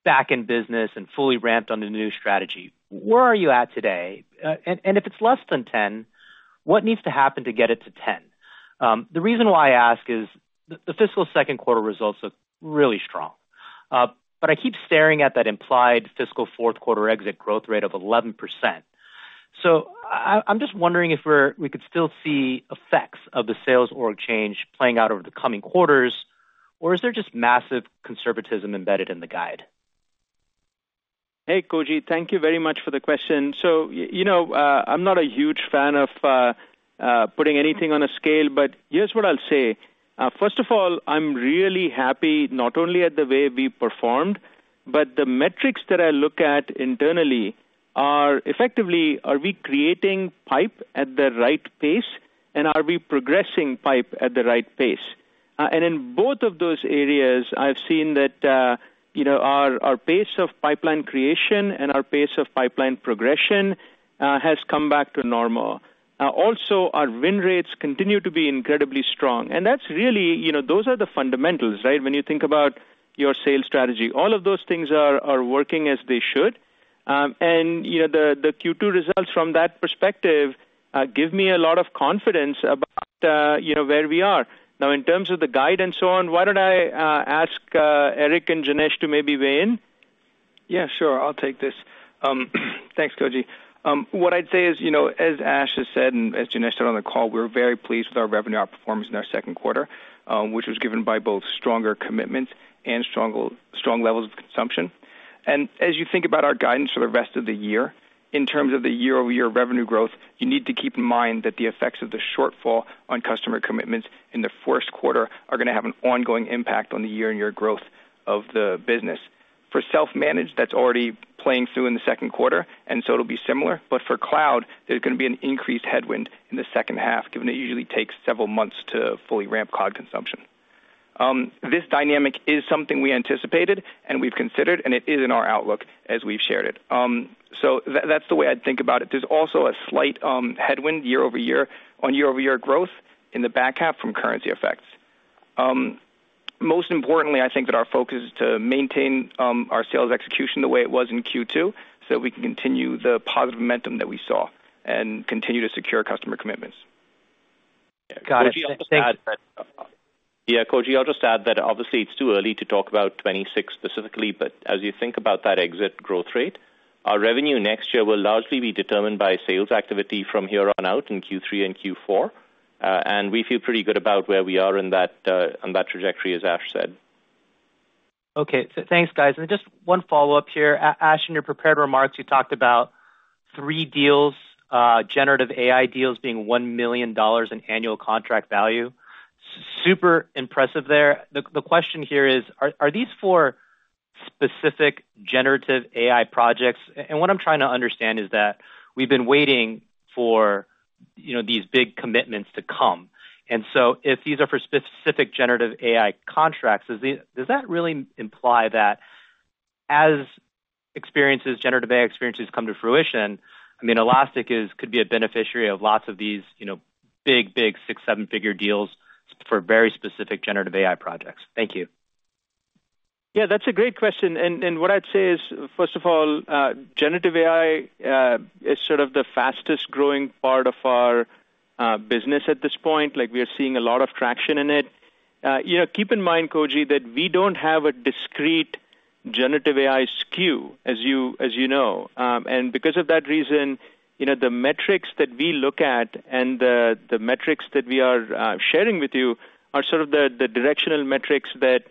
back in business and fully ramped on the new strategy? Where are you at today? And if it's less than 10, what needs to happen to get it to 10? The reason why I ask is the fiscal second quarter results look really strong. But I keep staring at that implied fiscal fourth quarter exit growth rate of 11%. So I'm just wondering if we could still see effects of the Sales Org change playing out over the coming quarters, or is there just massive conservatism embedded in the guide? Hey, Koji, thank you very much for the question. So I'm not a huge fan of putting anything on a scale, but here's what I'll say. First of all, I'm really happy not only at the way we performed, but the metrics that I look at internally are effectively, are we creating pipe at the right pace? And are we progressing pipe at the right pace? And in both of those areas, I've seen that our pace of pipeline creation and our pace of pipeline progression has come back to normal. Also, our win rates continue to be incredibly strong. And that's really those are the fundamentals, right? When you think about your sales strategy, all of those things are working as they should. And the Q2 results from that perspective give me a lot of confidence about where we are. Now, in terms of the guide and so on, why don't I ask Eric and Janesh to maybe weigh in? Yeah, sure. I'll take this. Thanks, Koji. What I'd say is, as Ash has said and as Janesh said on the call, we're very pleased with our revenue, our performance in our second quarter, which was given by both stronger commitments and strong levels of consumption. As you think about our guidance for the rest of the year, in terms of the year-over-year revenue growth, you need to keep in mind that the effects of the shortfall on customer commitments in the first quarter are going to have an ongoing impact on the year-on-year growth of the business. For self-managed, that's already playing through in the second quarter, and so it'll be similar. But for cloud, there's going to be an increased headwind in the second half, given it usually takes several months to fully ramp cloud consumption. This dynamic is something we anticipated and we've considered, and it is in our outlook as we've shared it. That's the way I'd think about it. There's also a slight headwind year-over-year on year-over-year growth in the back half from currency effects. Most importantly, I think that our focus is to maintain our sales execution the way it was in Q2 so that we can continue the positive momentum that we saw and continue to secure customer commitments. Got it. Thanks. Yeah, Koji, I'll just add that obviously, it's too early to talk about 26 specifically. But as you think about that exit growth rate, our revenue next year will largely be determined by sales activity from here on out in Q3 and Q4. And we feel pretty good about where we are on that trajectory, as Ash said. Okay. Thanks, guys. And just one follow-up here. Ash, in your prepared remarks, you talked about three deals, generative AI deals being $1 million in annual contract value. Super impressive there. The question here is, are these four specific generative AI projects? What I'm trying to understand is that we've been waiting for these big commitments to come. So if these are for specific generative AI contracts, does that really imply that as generative AI experiences come to fruition, I mean, Elastic could be a beneficiary of lots of these big, big six, seven-figure deals for very specific generative AI projects? Thank you. Yeah, that's a great question. What I'd say is, first of all, generative AI is sort of the fastest-growing part of our business at this point. We are seeing a lot of traction in it. Keep in mind, Koji, that we don't have a discrete generative AI SKU, as you know. Because of that reason, the metrics that we look at and the metrics that we are sharing with you are sort of the directional metrics that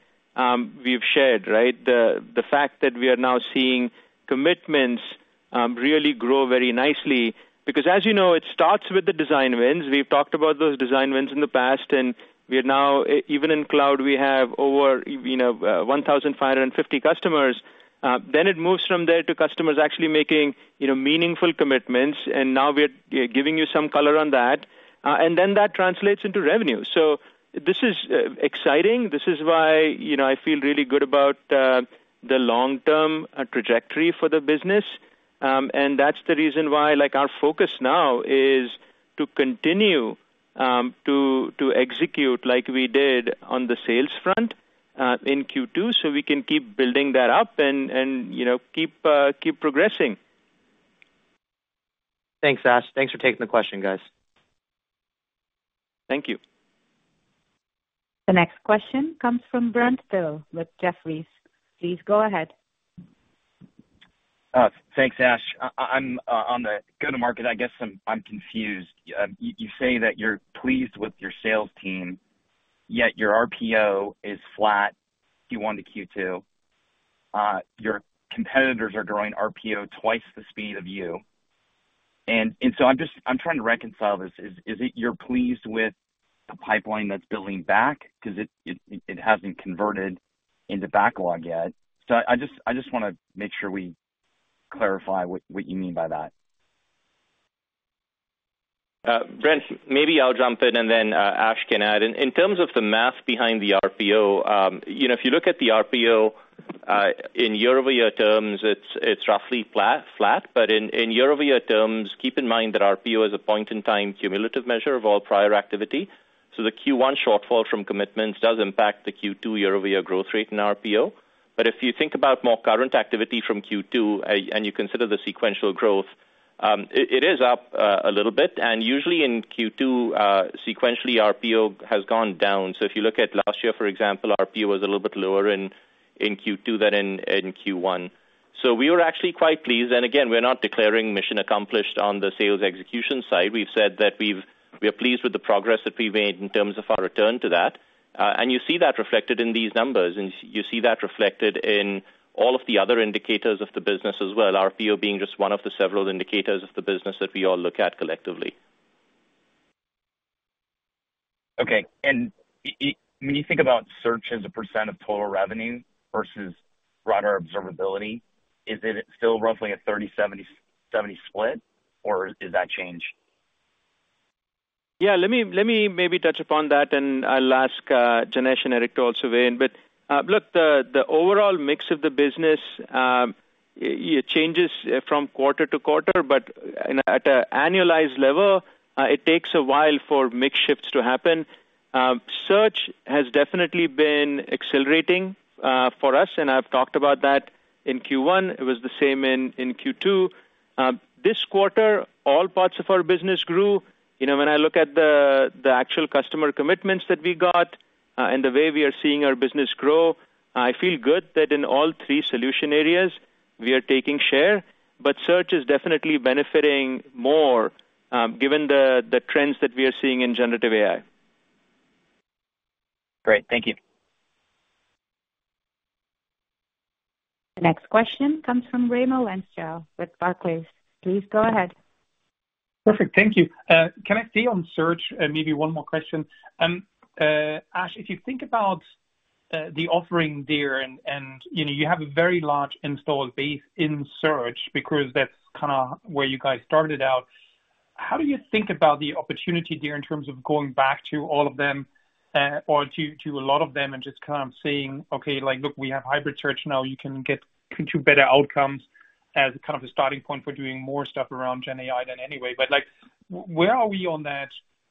we've shared, right? The fact that we are now seeing commitments really grow very nicely. Because as you know, it starts with the design wins. We've talked about those design wins in the past. And even in cloud, we have over 1,550 customers. Then it moves from there to customers actually making meaningful commitments. And now we're giving you some color on that. And then that translates into revenue. So this is exciting. This is why I feel really good about the long-term trajectory for the business. And that's the reason why our focus now is to continue to execute like we did on the sales front in Q2 so we can keep building that up and keep progressing. Thanks, Ash. Thanks for taking the question, guys. Thank you. The next question comes from Brent Thill with Jefferies. Please go ahead. Thanks, Ash. On the go-to-market, I guess I'm confused. You say that you're pleased with your sales team, yet your RPO is flat Q1 to Q2. Your competitors are growing RPO twice the speed of you. And so I'm trying to reconcile this. Is it you're pleased with the pipeline that's building back because it hasn't converted into backlog yet? So I just want to make sure we clarify what you mean by that. Brent, maybe I'll jump in, and then Ash can add. In terms of the math behind the RPO, if you look at the RPO in year-over-year terms, it's roughly flat. But in year-over-year terms, keep in mind that RPO is a point-in-time cumulative measure of all prior activity. So the Q1 shortfall from commitments does impact the Q2 year-over-year growth rate in RPO. But if you think about more current activity from Q2 and you consider the sequential growth, it is up a little bit. Usually in Q2, sequentially, RPO has gone down. If you look at last year, for example, RPO was a little bit lower in Q2 than in Q1. We were actually quite pleased. Again, we're not declaring mission accomplished on the sales execution side. We've said that we're pleased with the progress that we've made in terms of our return to that. You see that reflected in these numbers. You see that reflected in all of the other indicators of the business as well, RPO being just one of the several indicators of the business that we all look at collectively. Okay. When you think about search as a percent of total revenue versus broader observability, is it still roughly a 30%/70% split, or is that changed? Yeah, let me maybe touch upon that, and I'll ask Janesh and Eric to also weigh in. But look, the overall mix of the business changes from quarter to quarter. But at an annualized level, it takes a while for mix shifts to happen. Search has definitely been accelerating for us, and I've talked about that in Q1. It was the same in Q2. This quarter, all parts of our business grew. When I look at the actual customer commitments that we got and the way we are seeing our business grow, I feel good that in all three solution areas, we are taking share. But search is definitely benefiting more given the trends that we are seeing in generative AI. Great. Thank you. The next question comes from Raimo Lenschow with Barclays. Please go ahead. Perfect. Thank you. Can I stay on search? Maybe one more question. Ash, if you think about the offering there and you have a very large installed base in search because that's kind of where you guys started out, how do you think about the opportunity there in terms of going back to all of them or to a lot of them and just kind of saying, "Okay, look, we have hybrid search now. You can get two better outcomes as kind of a starting point for doing more stuff around GenAI than anyway." But where are we on that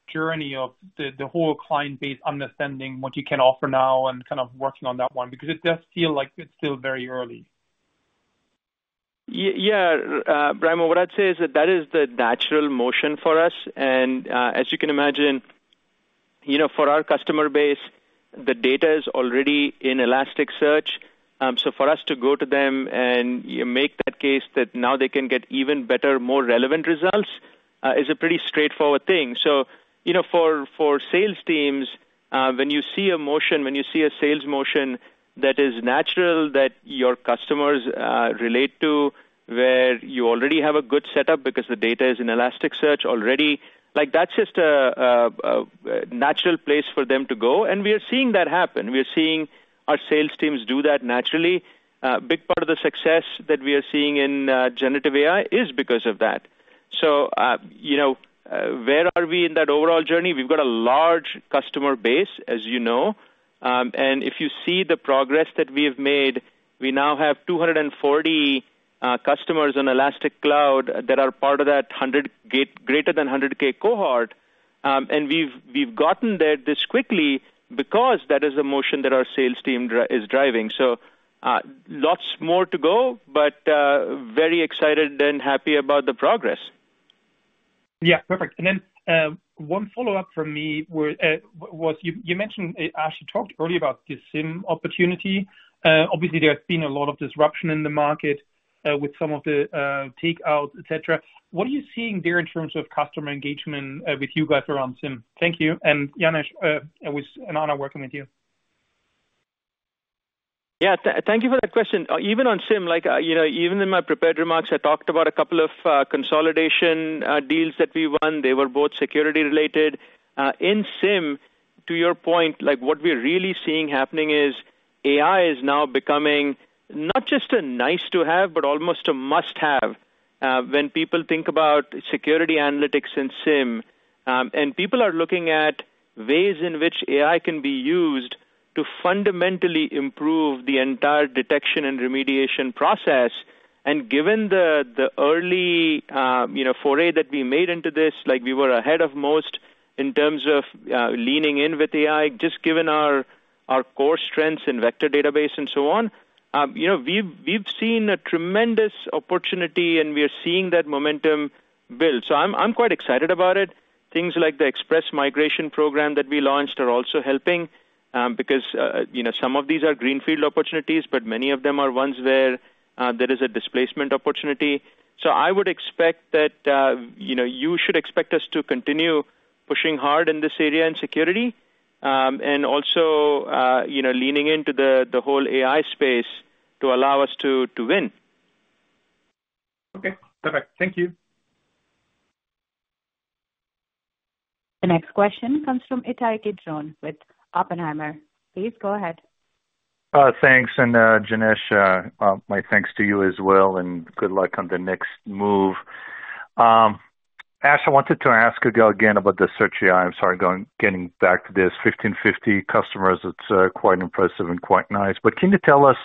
journey of the whole client base understanding what you can offer now and kind of working on that one? Because it does feel like it's still very early. Yeah, Raimo, what I'd say is that that is the natural motion for us. And as you can imagine, for our customer base, the data is already in Elasticsearch. So for us to go to them and make that case that now they can get even better, more relevant results is a pretty straightforward thing. So for sales teams, when you see a motion, when you see a sales motion that is natural, that your customers relate to, where you already have a good setup because the data is in Elasticsearch already, that's just a natural place for them to go. And we are seeing that happen. We are seeing our sales teams do that naturally. A big part of the success that we are seeing in generative AI is because of that. So where are we in that overall journey? We've got a large customer base, as you know. And if you see the progress that we have made, we now have 240 customers on Elastic Cloud that are part of that 100K, greater than 100K cohort. And we've gotten there this quickly because that is the motion that our sales team is driving. So lots more to go, but very excited and happy about the progress. Yeah, perfect. And then one follow-up from me was you mentioned Ash, you talked earlier about the SIEM opportunity. Obviously, there has been a lot of disruption in the market with some of the takeout, etc. What are you seeing there in terms of customer engagement with you guys around SIEM? Thank you. And Janesh, it was an honor working with you. Yeah, thank you for that question. Even on SIEM, even in my prepared remarks, I talked about a couple of consolidation deals that we won. They were both security-related. In SIEM, to your point, what we're really seeing happening is AI is now becoming not just a nice-to-have, but almost a must-have when people think about security analytics in SIEM. And people are looking at ways in which AI can be used to fundamentally improve the entire detection and remediation process. And given the early foray that we made into this, we were ahead of most in terms of leaning in with AI, just given our core strengths in vector database and so on, we've seen a tremendous opportunity, and we are seeing that momentum build. So I'm quite excited about it. Things like the Elastic Express Migration program that we launched are also helping because some of these are greenfield opportunities, but many of them are ones where there is a displacement opportunity. So I would expect that you should expect us to continue pushing hard in this area in security and also leaning into the whole AI space to allow us to win. Okay. Perfect. Thank you. The next question comes from Ittai Kidron with Oppenheimer. Please go ahead. Thanks. And Janesh, my thanks to you as well, and good luck on the next move. Ash, I wanted to ask again about the Search AI. I'm sorry, getting back to this. 1,550 customers, it's quite impressive and quite nice. But can you tell us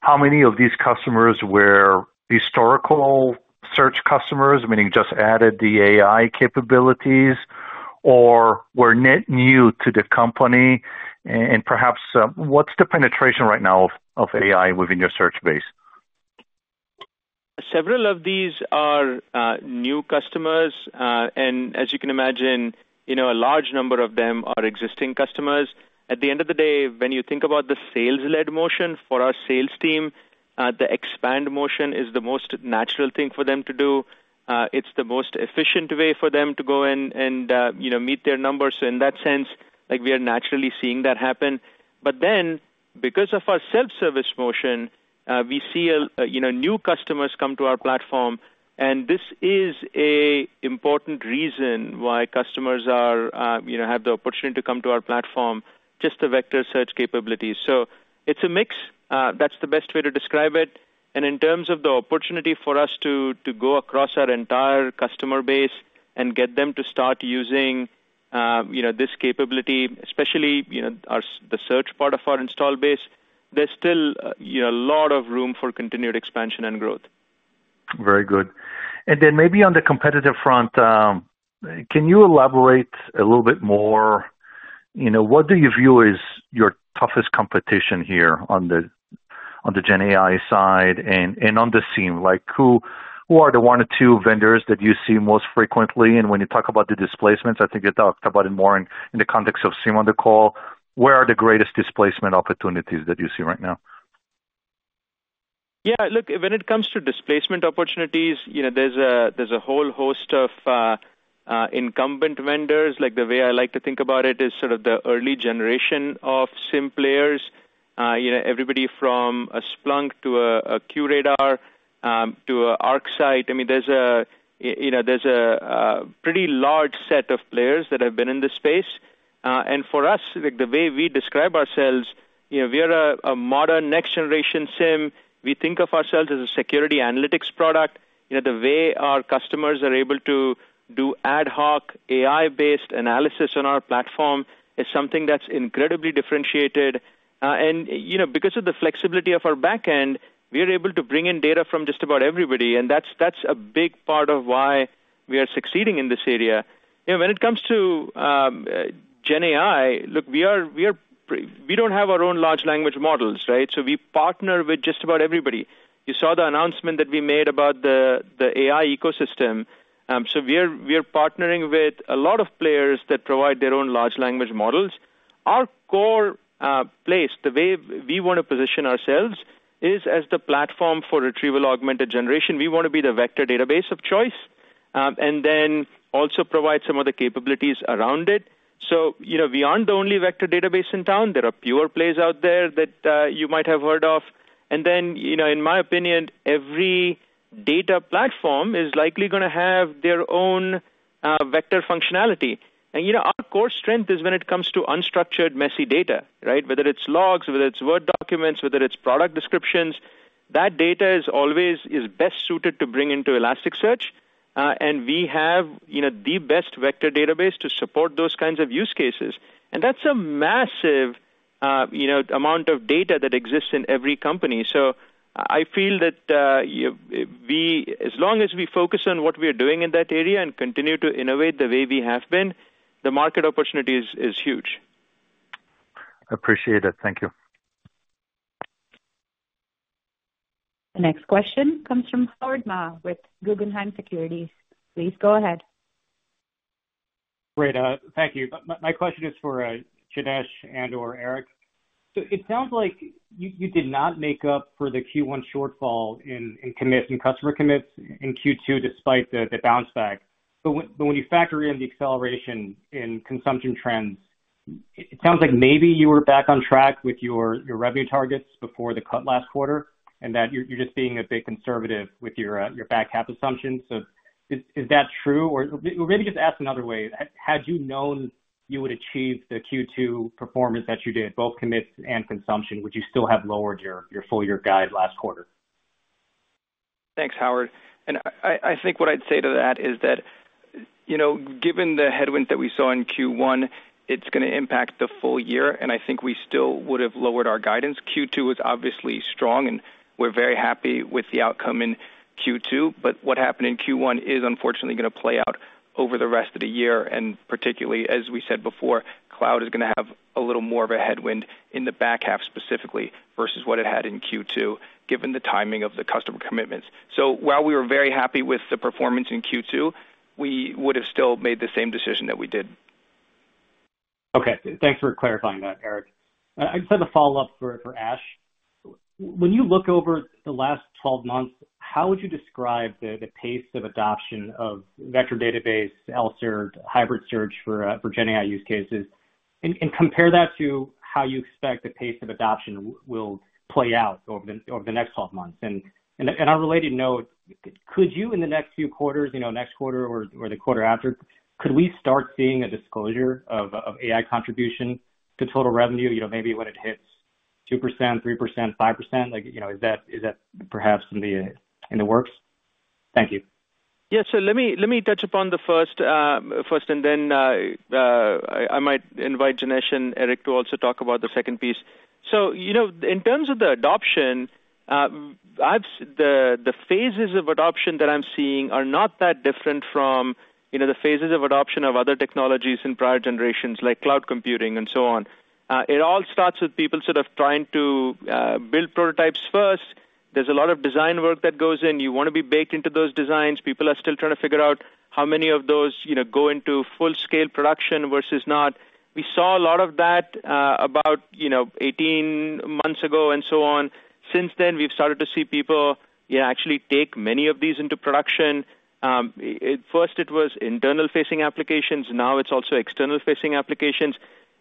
how many of these customers were historical search customers, meaning just added the AI capabilities, or were net new to the company? And perhaps what's the penetration right now of AI within your search base? Several of these are new customers. And as you can imagine, a large number of them are existing customers. At the end of the day, when you think about the sales-led motion for our sales team, the expand motion is the most natural thing for them to do. It's the most efficient way for them to go and meet their numbers, so in that sense, we are naturally seeing that happen, but then because of our self-service motion, we see new customers come to our platform, and this is an important reason why customers have the opportunity to come to our platform, just the vector search capability, so it's a mix. That's the best way to describe it, and in terms of the opportunity for us to go across our entire customer base and get them to start using this capability, especially the search part of our install base, there's still a lot of room for continued expansion and growth. Very good. Then maybe on the competitive front, can you elaborate a little bit more? What do you view as your toughest competition here on the GenAI side and on the SIEM? Who are the one or two vendors that you see most frequently? And when you talk about the displacements, I think you talked about it more in the context of SIEM on the call. Where are the greatest displacement opportunities that you see right now? Yeah, look, when it comes to displacement opportunities, there's a whole host of incumbent vendors. The way I like to think about it is sort of the early generation of SIEM players. Everybody from a Splunk to a QRadar to an ArcSight. I mean, there's a pretty large set of players that have been in this space. And for us, the way we describe ourselves, we are a modern next-generation SIEM. We think of ourselves as a security analytics product. The way our customers are able to do ad hoc AI-based analysis on our platform is something that's incredibly differentiated, and because of the flexibility of our backend, we are able to bring in data from just about everybody, and that's a big part of why we are succeeding in this area. When it comes to GenAI, look, we don't have our own large language models, right, so we partner with just about everybody. You saw the announcement that we made about the AI ecosystem, so we are partnering with a lot of players that provide their own large language models. Our core place, the way we want to position ourselves, is as the platform for retrieval augmented generation. We want to be the vector database of choice and then also provide some of the capabilities around it. So we aren't the only vector database in town. There are pure plays out there that you might have heard of. And then, in my opinion, every data platform is likely going to have their own vector functionality. And our core strength is when it comes to unstructured, messy data, right? Whether it's logs, whether it's Word documents, whether it's product descriptions, that data is always best suited to bring into Elasticsearch. And we have the best vector database to support those kinds of use cases. And that's a massive amount of data that exists in every company. So I feel that as long as we focus on what we are doing in that area and continue to innovate the way we have been, the market opportunity is huge. I appreciate it. Thank you. The next question comes from Howard Ma with Guggenheim Securities. Please go ahead. Great. Thank you. My question is for Janesh and/or Eric. So it sounds like you did not make up for the Q1 shortfall in customer commits in Q2 despite the bounce back. But when you factor in the acceleration in consumption trends, it sounds like maybe you were back on track with your revenue targets before the cut last quarter and that you're just being a bit conservative with your back half assumptions. So is that true? Or maybe just ask another way. Had you known you would achieve the Q2 performance that you did, both commits and consumption, would you still have lowered your full-year guide last quarter? Thanks, Howard. And I think what I'd say to that is that given the headwinds that we saw in Q1, it's going to impact the full year. And I think we still would have lowered our guidance. Q2 was obviously strong, and we're very happy with the outcome in Q2. But what happened in Q1 is unfortunately going to play out over the rest of the year. And particularly, as we said before, cloud is going to have a little more of a headwind in the back half specifically versus what it had in Q2 given the timing of the customer commitments. So while we were very happy with the performance in Q2, we would have still made the same decision that we did. Okay. Thanks for clarifying that, Eric. I just had a follow-up for Ash. When you look over the last 12 months, how would you describe the pace of adoption of vector database, ELSER, hybrid search for GenAI use cases? And compare that to how you expect the pace of adoption will play out over the next 12 months? And on a related note, could you in the next few quarters, next quarter or the quarter after, could we start seeing a disclosure of AI contribution to total revenue maybe when it hits 2%, 3%, 5%? Is that perhaps in the works? Thank you. Yeah. So let me touch upon the first, and then I might invite Janesh and Eric to also talk about the second piece. So in terms of the adoption, the phases of adoption that I'm seeing are not that different from the phases of adoption of other technologies in prior generations like cloud computing and so on. It all starts with people sort of trying to build prototypes first. There's a lot of design work that goes in. You want to be baked into those designs. People are still trying to figure out how many of those go into full-scale production versus not. We saw a lot of that about 18 months ago and so on. Since then, we've started to see people actually take many of these into production. First, it was internal-facing applications. Now it's also external-facing applications.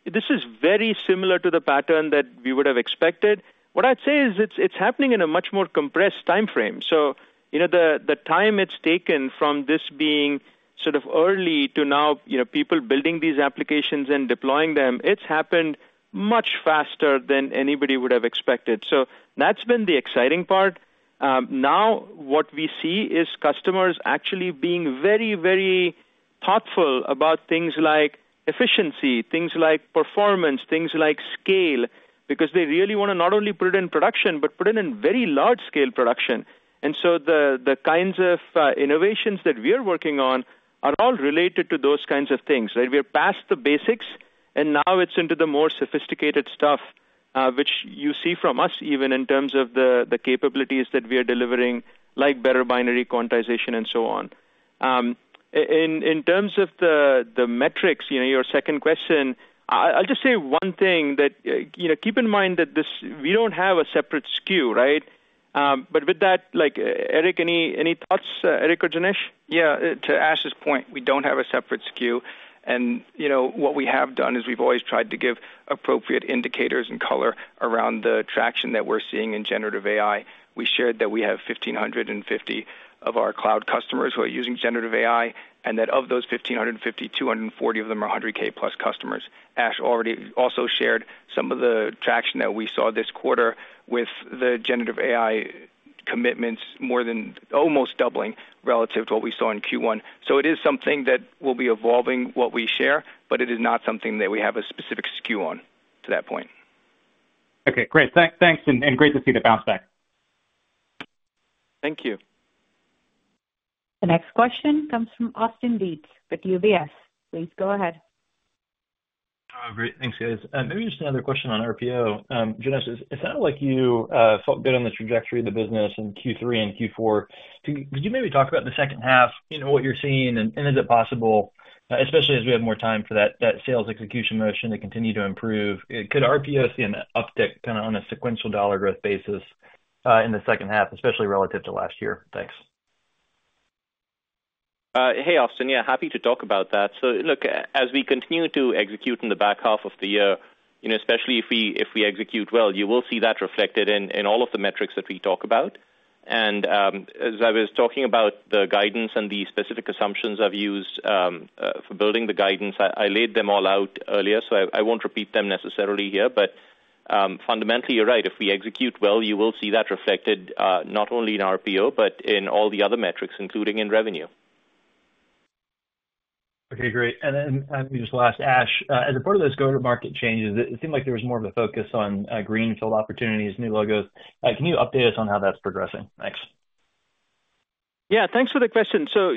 This is very similar to the pattern that we would have expected. What I'd say is it's happening in a much more compressed timeframe. So the time it's taken from this being sort of early to now people building these applications and deploying them, it's happened much faster than anybody would have expected. So that's been the exciting part. Now what we see is customers actually being very, very thoughtful about things like efficiency, things like performance, things like scale, because they really want to not only put it in production, but put it in very large-scale production. And so the kinds of innovations that we are working on are all related to those kinds of things, right? We are past the basics, and now it's into the more sophisticated stuff, which you see from us even in terms of the capabilities that we are delivering, like better binary quantization and so on. In terms of the metrics, your second question, I'll just say one thing to keep in mind that we don't have a separate SKU, right? But with that, Eric, any thoughts, Eric or Janesh? Yeah. To Ash's point, we don't have a separate SKU. And what we have done is we've always tried to give appropriate indicators and color around the traction that we're seeing in generative AI. We shared that we have 1,550 of our cloud customers who are using generative AI, and that of those 1,550, 240 of them are 100K plus customers. Ash also shared some of the traction that we saw this quarter with the generative AI commitments more than almost doubling relative to what we saw in Q1. So it is something that will be evolving what we share, but it is not something that we have a specific SKU on to that point. Okay. Great. Thanks. And great to see the bounce back. Thank you. The next question comes from Austin Dietz with UBS. Please go ahead. Great. Thanks, guys. Maybe just another question on RPO. Janesh, it sounded like you felt good on the trajectory of the business in Q3 and Q4. Could you maybe talk about the second half, what you're seeing, and is it possible, especially as we have more time for that sales execution motion to continue to improve? Could RPO see an uptick kind of on a sequential dollar growth basis in the second half, especially relative to last year? Thanks. Hey, Austin. Yeah, happy to talk about that. So look, as we continue to execute in the back half of the year, especially if we execute well, you will see that reflected in all of the metrics that we talk about. And as I was talking about the guidance and the specific assumptions I've used for building the guidance, I laid them all out earlier, so I won't repeat them necessarily here. But fundamentally, you're right. If we execute well, you will see that reflected not only in RPO, but in all the other metrics, including in revenue. Okay. Great. And then just last, Ash, as a part of those go-to-market changes, it seemed like there was more of a focus on greenfield opportunities, new logos. Can you update us on how that's progressing? Thanks. Yeah. Thanks for the question. So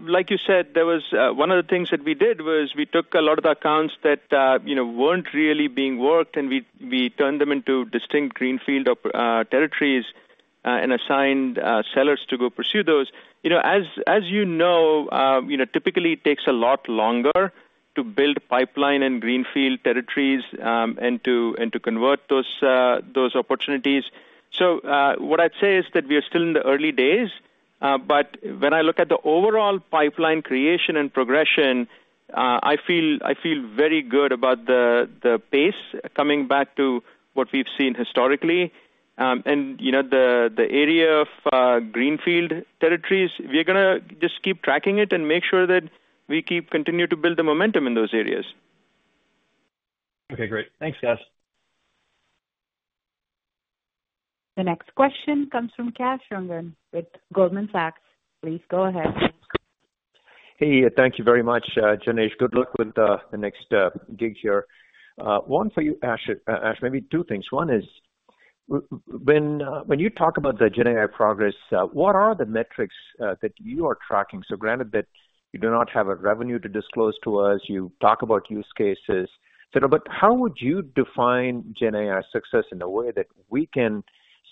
like you said, one of the things that we did was we took a lot of the accounts that weren't really being worked, and we turned them into distinct greenfield territories and assigned sellers to go pursue those. As you know, typically, it takes a lot longer to build pipeline and greenfield territories and to convert those opportunities. So what I'd say is that we are still in the early days. But when I look at the overall pipeline creation and progression, I feel very good about the pace coming back to what we've seen historically. And the area of greenfield territories, we're going to just keep tracking it and make sure that we continue to build the momentum in those areas. Okay. Great. Thanks, guys. The next question comes from Kash Rangan with Goldman Sachs. Please go ahead. Hey, thank you very much, Janesh. Good luck with the next gig here. One for you, Ash. Maybe two things. One is when you talk about the GenAI progress, what are the metrics that you are tracking? So granted that you do not have a revenue to disclose to us, you talk about use cases. But how would you define GenAI success in a way that we can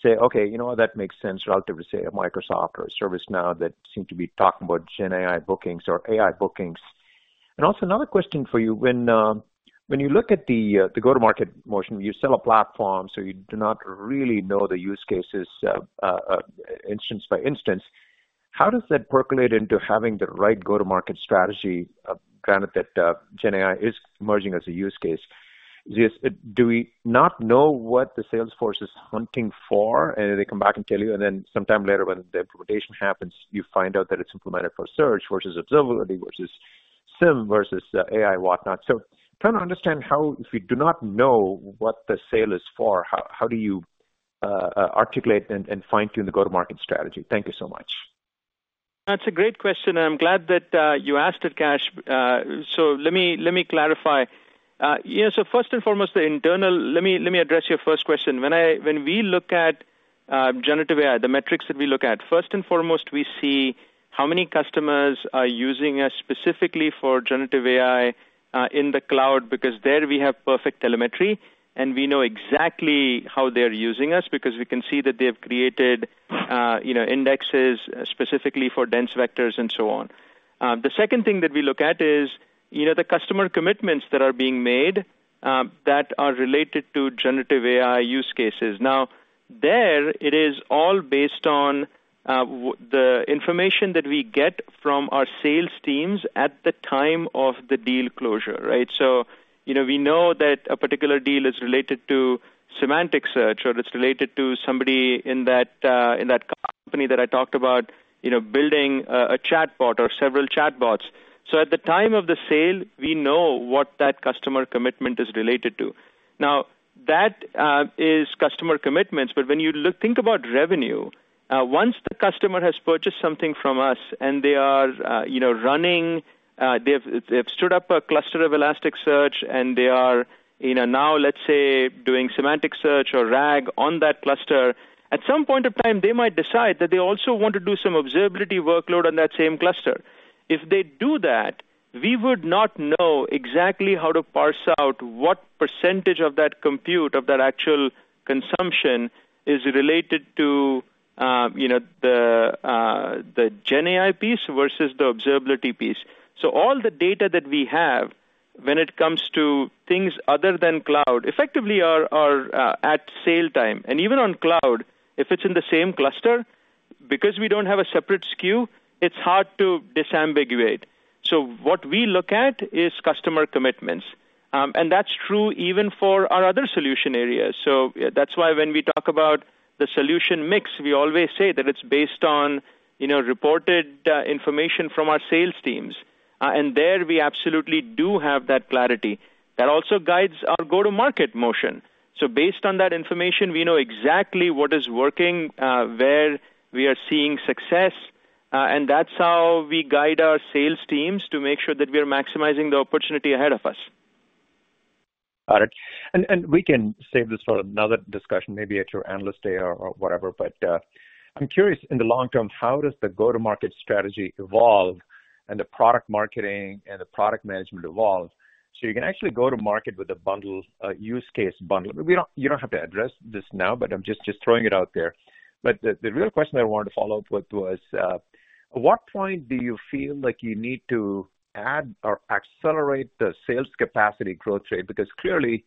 say, "Okay, that makes sense relative to, say, a Microsoft or a ServiceNow that seem to be talking about GenAI bookings or AI bookings?" And also another question for you. When you look at the go-to-market motion, you sell a platform, so you do not really know the use cases instance by instance. How does that percolate into having the right go-to-market strategy? Granted that GenAI is emerging as a use case. Do we not know what the sales force is hunting for, and they come back and tell you, and then sometime later when the implementation happens, you find out that it's implemented for search versus observability versus SIEM versus AI, whatnot? So trying to understand how, if you do not know what the sale is for, how do you articulate and fine-tune the go-to-market strategy? Thank you so much. That's a great question. I'm glad that you asked it, Kash. So let me clarify. So first and foremost, the internal. Let me address your first question. When we look at generative AI, the metrics that we look at, first and foremost, we see how many customers are using us specifically for generative AI in the cloud because there we have perfect telemetry, and we know exactly how they're using us because we can see that they have created indexes specifically for dense vectors and so on. The second thing that we look at is the customer commitments that are being made that are related to generative AI use cases. Now, there it is all based on the information that we get from our sales teams at the time of the deal closure, right? So we know that a particular deal is related to semantic search or it's related to somebody in that company that I talked about building a chatbot or several chatbots. So at the time of the sale, we know what that customer commitment is related to. Now, that is customer commitments. But when you think about revenue, once the customer has purchased something from us and they are running, they've stood up a cluster of Elasticsearch, and they are now, let's say, doing semantic search or RAG on that cluster, at some point of time, they might decide that they also want to do some observability workload on that same cluster. If they do that, we would not know exactly how to parse out what percentage of that compute, of that actual consumption, is related to the GenAI piece versus the observability piece. So all the data that we have when it comes to things other than cloud effectively are at sale time. Even on cloud, if it's in the same cluster, because we don't have a separate SKU, it's hard to disambiguate. What we look at is customer commitments. That's true even for our other solution areas. That's why when we talk about the solution mix, we always say that it's based on reported information from our sales teams. There we absolutely do have that clarity. That also guides our go-to-market motion. Based on that information, we know exactly what is working, where we are seeing success. That's how we guide our sales teams to make sure that we are maximizing the opportunity ahead of us. Got it. We can save this for another discussion, maybe at your analyst day or whatever. But I'm curious, in the long term, how does the go-to-market strategy evolve and the product marketing and the product management evolve so you can actually go to market with a use case bundle? You don't have to address this now, but I'm just throwing it out there. But the real question I wanted to follow up with was, at what point do you feel like you need to add or accelerate the sales capacity growth rate? Because clearly,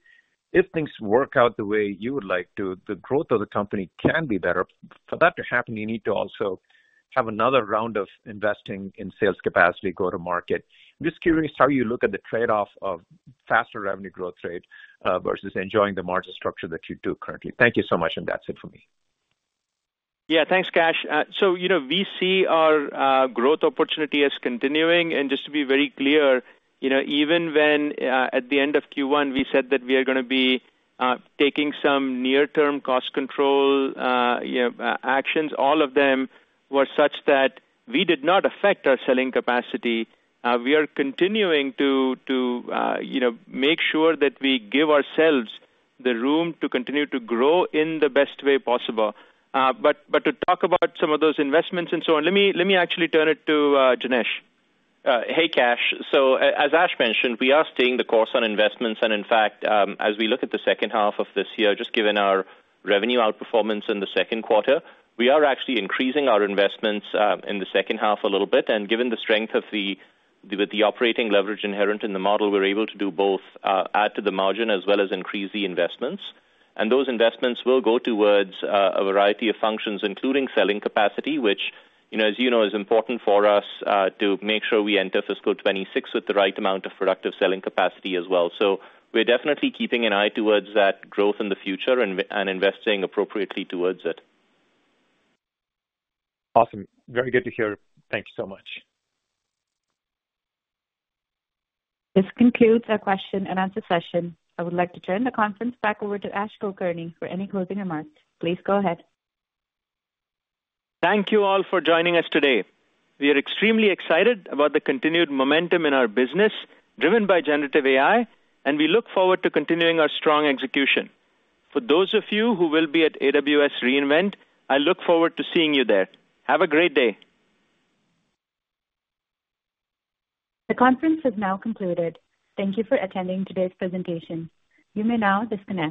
if things work out the way you would like to, the growth of the company can be better. For that to happen, you need to also have another round of investing in sales capacity, go-to-market. I'm just curious how you look at the trade-off of faster revenue growth rate versus enjoying the margin structure that you do currently. Thank you so much, and that's it for me. Yeah. Thanks, Kash. So we see our growth opportunity as continuing. And just to be very clear, even when at the end of Q1, we said that we are going to be taking some near-term cost control actions, all of them were such that we did not affect our selling capacity. We are continuing to make sure that we give ourselves the room to continue to grow in the best way possible. But to talk about some of those investments and so on, let me actually turn it to Janesh. Hey, Kash. So as Ash mentioned, we are staying the course on investments. And in fact, as we look at the second half of this year, just given our revenue outperformance in the second quarter, we are actually increasing our investments in the second half a little bit. Given the strength of the operating leverage inherent in the model, we're able to do both add to the margin as well as increase the investments. Those investments will go towards a variety of functions, including selling capacity, which, as you know, is important for us to make sure we enter fiscal 2026 with the right amount of productive selling capacity as well. We're definitely keeping an eye towards that growth in the future and investing appropriately towards it. Awesome. Very good to hear. Thank you so much. This concludes our question and answer session. I would like to turn the conference back over to Ash Kulkarni for any closing remarks. Please go ahead. Thank you all for joining us today. We are extremely excited about the continued momentum in our business driven by generative AI, and we look forward to continuing our strong execution. For those of you who will be at AWS re:Invent, I look forward to seeing you there. Have a great day. The conference has now concluded. Thank you for attending today's presentation. You may now disconnect.